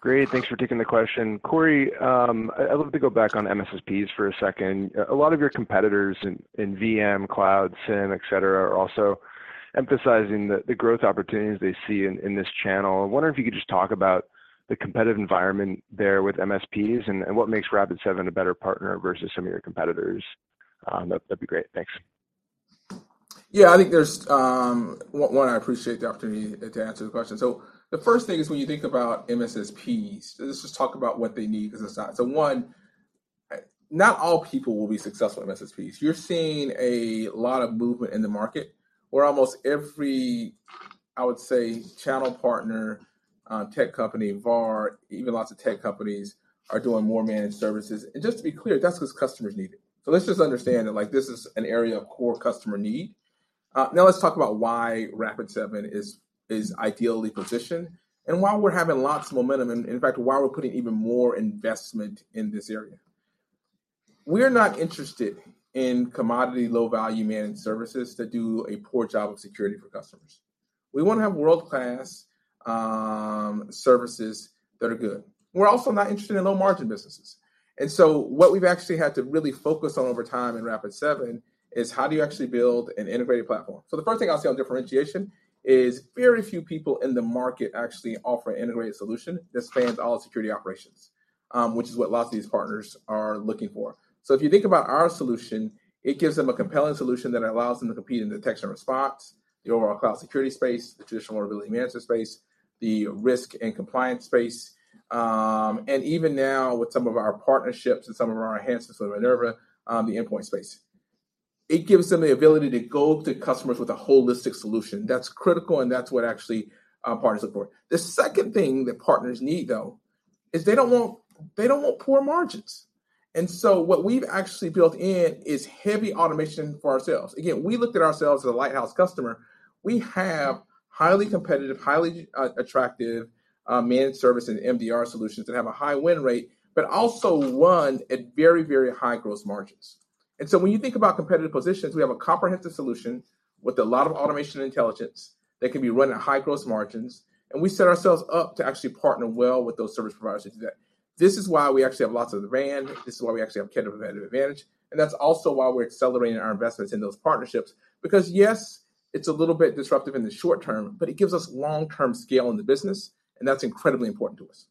Great, thanks for taking the question. Corey, I'd love to go back on MSSPs for a second. A lot of your competitors in VM, Cloud, SIEM, et cetera, are also emphasizing the growth opportunities they see in this channel. I wonder if you could just talk about the competitive environment there with MSPs and what makes Rapid7 a better partner versus some of your competitors? That'd be great. Thanks. Yeah, I think there's. I appreciate the opportunity to answer the question. The first thing is when you think about MSSPs, let's just talk about what they need as a side. One, not all people will be successful in MSSPs. You're seeing a lot of movement in the market where almost every, I would say, channel partner, tech company, VAR, even lots of tech companies, are doing more managed services. Just to be clear, that's 'cause customers need it. Let's just understand that, like, this is an area of core customer need. Now let's talk about why Rapid7 is, is ideally positioned and why we're having lots of momentum, and in fact, why we're putting even more investment in this area. We're not interested in commodity low-value managed services that do a poor job of security for customers. We want to have world-class services that are good. We're also not interested in low-margin businesses. What we've actually had to really focus on over time in Rapid7 is how do you actually build an integrated platform? The first thing I'll say on differentiation is very few people in the market actually offer an integrated solution that spans all security operations, which is what lots of these partners are looking for. If you think about our solution, it gives them a compelling solution that allows them to compete in detection and response, the overall cloud security space, the traditional vulnerability management space, the risk and compliance space, and even now, with some of our partnerships and some of our enhancements with Minerva, the endpoint space. It gives them the ability to go to customers with a holistic solution. That's critical, and that's what actually our partners support. The second thing that partners need, though, is they don't want, they don't want poor margins. And so what we've actually built in is heavy automation for ourselves. Again, we looked at ourselves as a lighthouse customer. We have highly competitive, highly attractive managed service and MDR solutions that have a high win rate, but also run at very, very high gross margins. And so when you think about competitive positions, we have a comprehensive solution with a lot of automation and intelligence that can be run at high gross margins, and we set ourselves up to actually partner well with those service providers today. This is why we actually have lots of the rand, this is why we actually have competitive advantage, and that's also why we're accelerating our investments in those partnerships. Yes, it's a little bit disruptive in the short term, but it gives us long-term scale in the business, and that's incredibly important to us.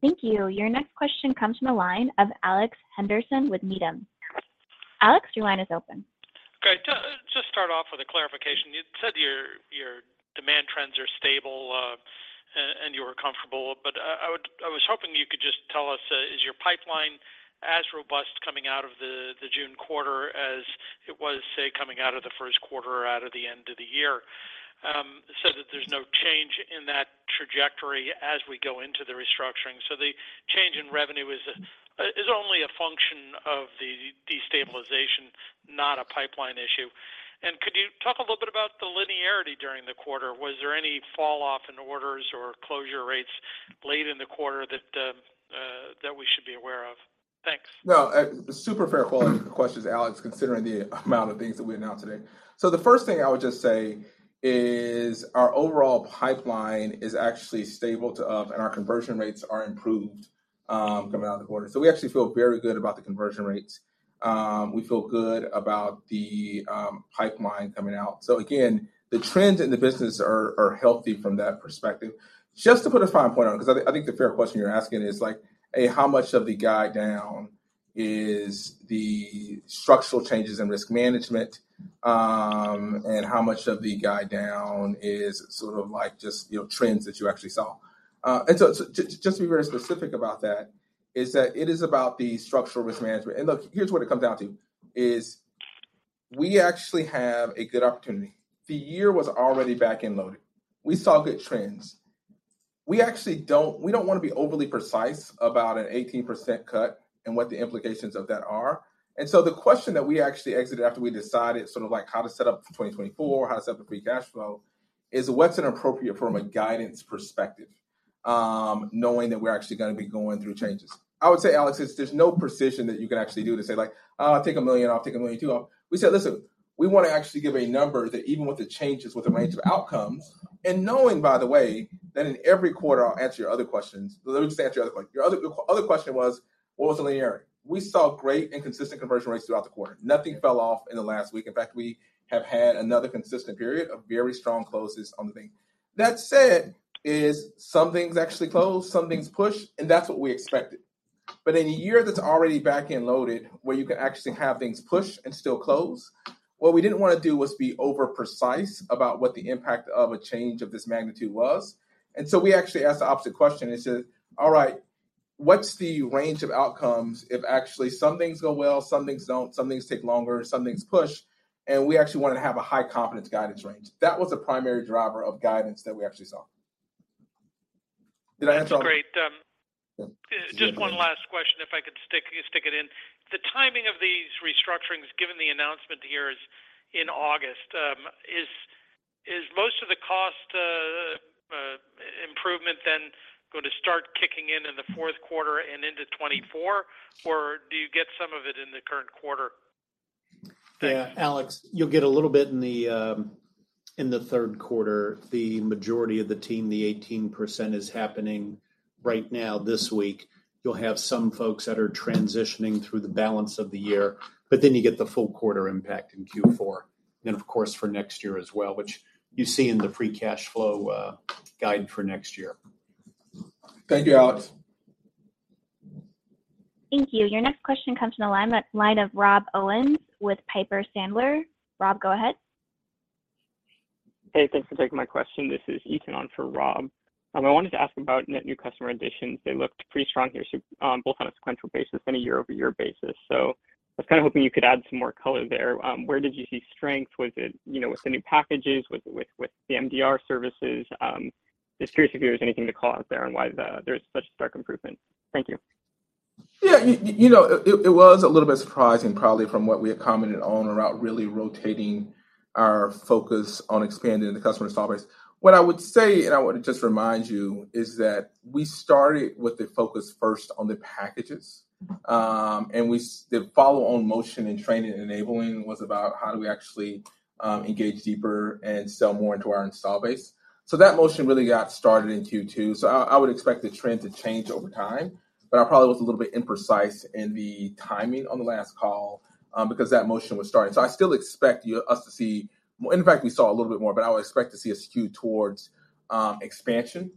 Thank you. Your next question comes from the line of Alex Henderson with Needham. Alex, your line is open. Great. Just, just start off with a clarification. You said your, your demand trends are stable, and you were comfortable, but I was hoping you could just tell us, is your pipeline as robust coming out of the June quarter as it was, say, coming out of the first quarter or out of the end of the year? That there's no change in that trajectory as we go into the restructuring. The change in revenue is only a function of the destabilization, not a pipeline issue. Could you talk a little bit about the linearity during the quarter? Was there any falloff in orders or closure rates late in the quarter that we should be aware of? Thanks. No, super fair quality questions, Alex, considering the amount of things that we announced today. The first thing I would just say is our overall pipeline is actually stable to up, and our conversion rates are improved, coming out of the quarter. We actually feel very good about the conversion rates. We feel good about the pipeline coming out. Again, the trends in the business are, are healthy from that perspective. Just to put a fine point on it, 'cause I, I think the fair question you're asking is, like, A, how much of the guide down is the structural changes in risk management, and how much of the guide down is sort of like just, you know, trends that you actually saw? To, to just be very specific about that, is that it is about the structural risk management. Look, here's what it comes down to, is we actually have a good opportunity. The year was already back and loaded. We saw good trends. We actually don't want to be overly precise about an 18% cut and what the implications of that are. The question that we actually exited after we decided sort of like how to set up for 2024, how to set up the free cash flow, is what's inappropriate from a guidance perspective? knowing that we're actually gonna be going through changes. I would say, Alex, it's, there's no precision that you can actually do to say, like, "Oh, I'll take $1 million off, take $1.2 million off." We said, "Listen, we wanna actually give a number that even with the changes, with the range of outcomes." Knowing, by the way, that in every quarter, I'll answer your other questions. Let me just answer your other your other, other question was, what was the linear? We saw great and consistent conversion rates throughout the quarter. Nothing fell off in the last week. In fact, we have had another consistent period of very strong closes on the thing. That said, is some things actually closed, some things pushed. That's what we expected. In a year that's already back-end loaded, where you can actually have things pushed and still close, what we didn't wanna do was be over-precise about what the impact of a change of this magnitude was. We actually asked the opposite question and said, "All right, what's the range of outcomes if actually some things go well, some things don't, some things take longer, some things push?" We actually wanted to have a high confidence guidance range. That was the primary driver of guidance that we actually saw. Did I answer all? That's great. Just one last question, if I could stick, stick it in. The timing of these restructurings, given the announcement here is in August, is most of the cost improvement then going to start kicking in in the fourth quarter and into 2024, or do you get some of it in the current quarter? Yeah, Alex, you'll get a little bit in the, in the third quarter. The majority of the team, the 18%, is happening right now, this week. You'll have some folks that are transitioning through the balance of the year, but then you get the full quarter impact in Q4, and of course, for next year as well, which you see in the free cash flow, guide for next year. Thank you, Alex. Thank you. Your next question comes from the line of Rob Owens with Piper Sandler. Rob, go ahead. Hey, thanks for taking my question. This is Ethan on for Rob. I wanted to ask about net new customer additions. They looked pretty strong here, so, both on a sequential basis and a year-over-year basis. I was kind of hoping you could add some more color there. Where did you see strength? Was it, you know, with the new packages, with the MDR services? Just curious if there was anything to call out there and why there's such a stark improvement. Thank you. Yeah, you know, it was a little bit surprising, probably from what we had commented on, around really rotating our focus on expanding the customer install base. What I would say, and I wanna just remind you, is that we started with the focus first on the packages. And we the follow-on motion in training and enabling was about how do we actually engage deeper and sell more into our install base. That motion really got started in Q2. I, I would expect the trend to change over time. I probably was a little bit imprecise in the timing on the last call, because that motion was starting. I still expect us to see more. In fact, we saw a little bit more, I would expect to see a skew towards expansion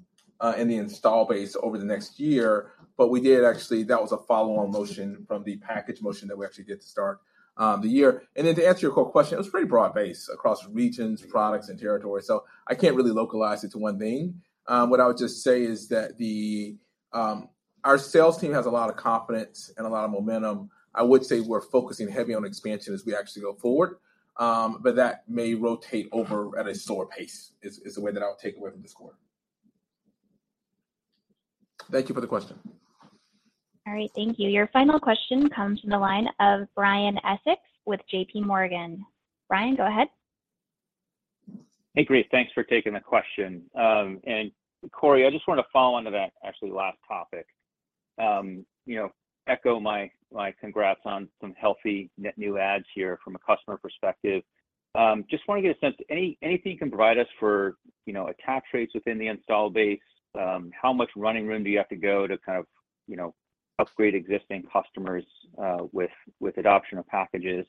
in the install base over the next year. We did actually, that was a follow-on motion from the package motion that we actually did to start the year. Then to answer your core question, it was pretty broad-based across regions, products, and territories, so I can't really localize it to one thing. What I would just say is that the, our sales team has a lot of confidence and a lot of momentum. I would say we're focusing heavy on expansion as we actually go forward, but that may rotate over at a slower pace, is, is the way that I would take away from this quarter. Thank you for the question. All right, thank you. Your final question comes from the line of Brian Essex with JPMorgan. Brian, go ahead. Hey, great, thanks for taking the question. Corey, I just wanted to follow on to that actually last topic. You know, echo my, my congrats on some healthy net new adds here from a customer perspective. Just wanna get a sense, anything you can provide us for, you know, attach rates within the install base? How much running room do you have to go to kind of, you know, upgrade existing customers, with, with adoption of packages?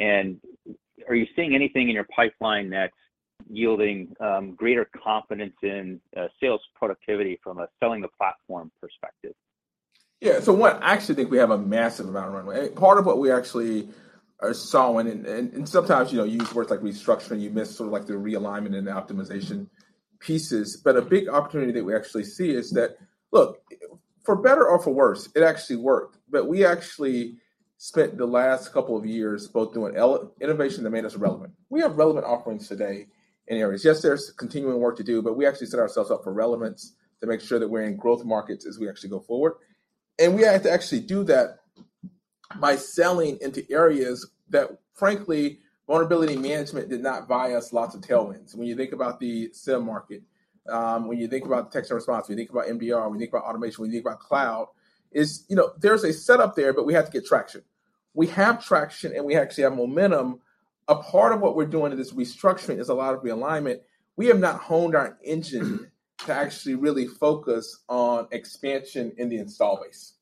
Are you seeing anything in your pipeline that's yielding, greater confidence in, sales productivity from a selling the platform perspective? Yeah. One, I actually think we have a massive amount of runway. Part of what we actually are solving and, and, and sometimes, you know, you use words like restructuring, you miss sort of like the realignment and optimization pieces. A big opportunity that we actually see is that, look, for better or for worse, it actually worked, but we actually spent the last couple of years both doing innovation that made us relevant. We have relevant offerings today in areas. Yes, there's continuing work to do, but we actually set ourselves up for relevance to make sure that we're in growth markets as we actually go forward. We had to actually do that by selling into areas that, frankly, vulnerability management did not buy us lots of tailwinds. When you think about the SIEM market, when you think about text response, when you think about MDR, when you think about automation, when you think about cloud, is, you know, there's a setup there, but we have to get traction. We have traction, and we actually have momentum. A part of what we're doing in this restructuring is a lot of realignment. We have not honed our engine to actually really focus on expansion in the install base,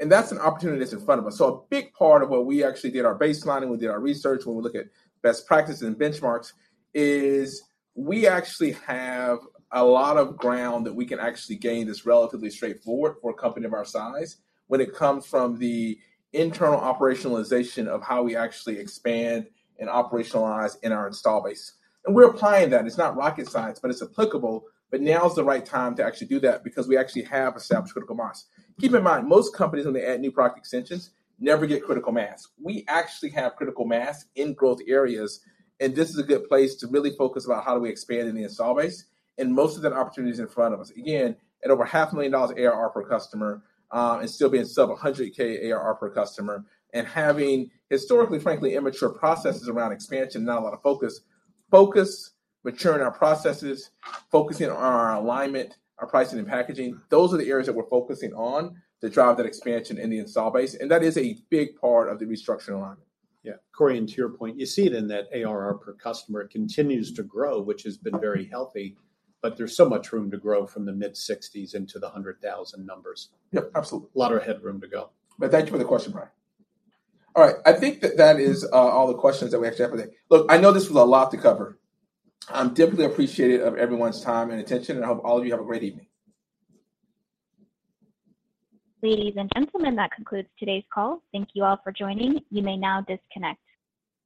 and that's an opportunity that's in front of us. A big part of what we actually did, our baselining, we did our research, when we look at best practices and benchmarks, is we actually have a lot of ground that we can actually gain that's relatively straightforward for a company of our size, when it comes from the internal operationalization of how we actually expand and operationalize in our install base. We're applying that. It's not rocket science, but it's applicable. Now is the right time to actually do that because we actually have established critical mass. Keep in mind, most companies when they add new product extensions, never get critical mass. We actually have critical mass in growth areas, and this is a good place to really focus about how do we expand in the install base, and most of that opportunity is in front of us. Again, at over $500,000 ARR per customer, and still being sub $100,000 ARR per customer, and having historically, frankly, immature processes around expansion, not a lot of focus. Focus, maturing our processes, focusing on our alignment, our pricing and packaging, those are the areas that we're focusing on to drive that expansion in the install base, and that is a big part of the restructuring alignment. Yeah. Corey, and to your point, you see it in that ARR per customer continues to grow, which has been very healthy, but there's so much room to grow from the mid-60s into the 100,000 numbers. Yep, absolutely. Lot of headroom to go. Thank you for the question, Brian. All right, I think that that is all the questions that we actually have for today. Look, I know this was a lot to cover. I'm deeply appreciative of everyone's time and attention, and I hope all of you have a great evening. Ladies and gentlemen, that concludes today's call. Thank you all for joining. You may now disconnect.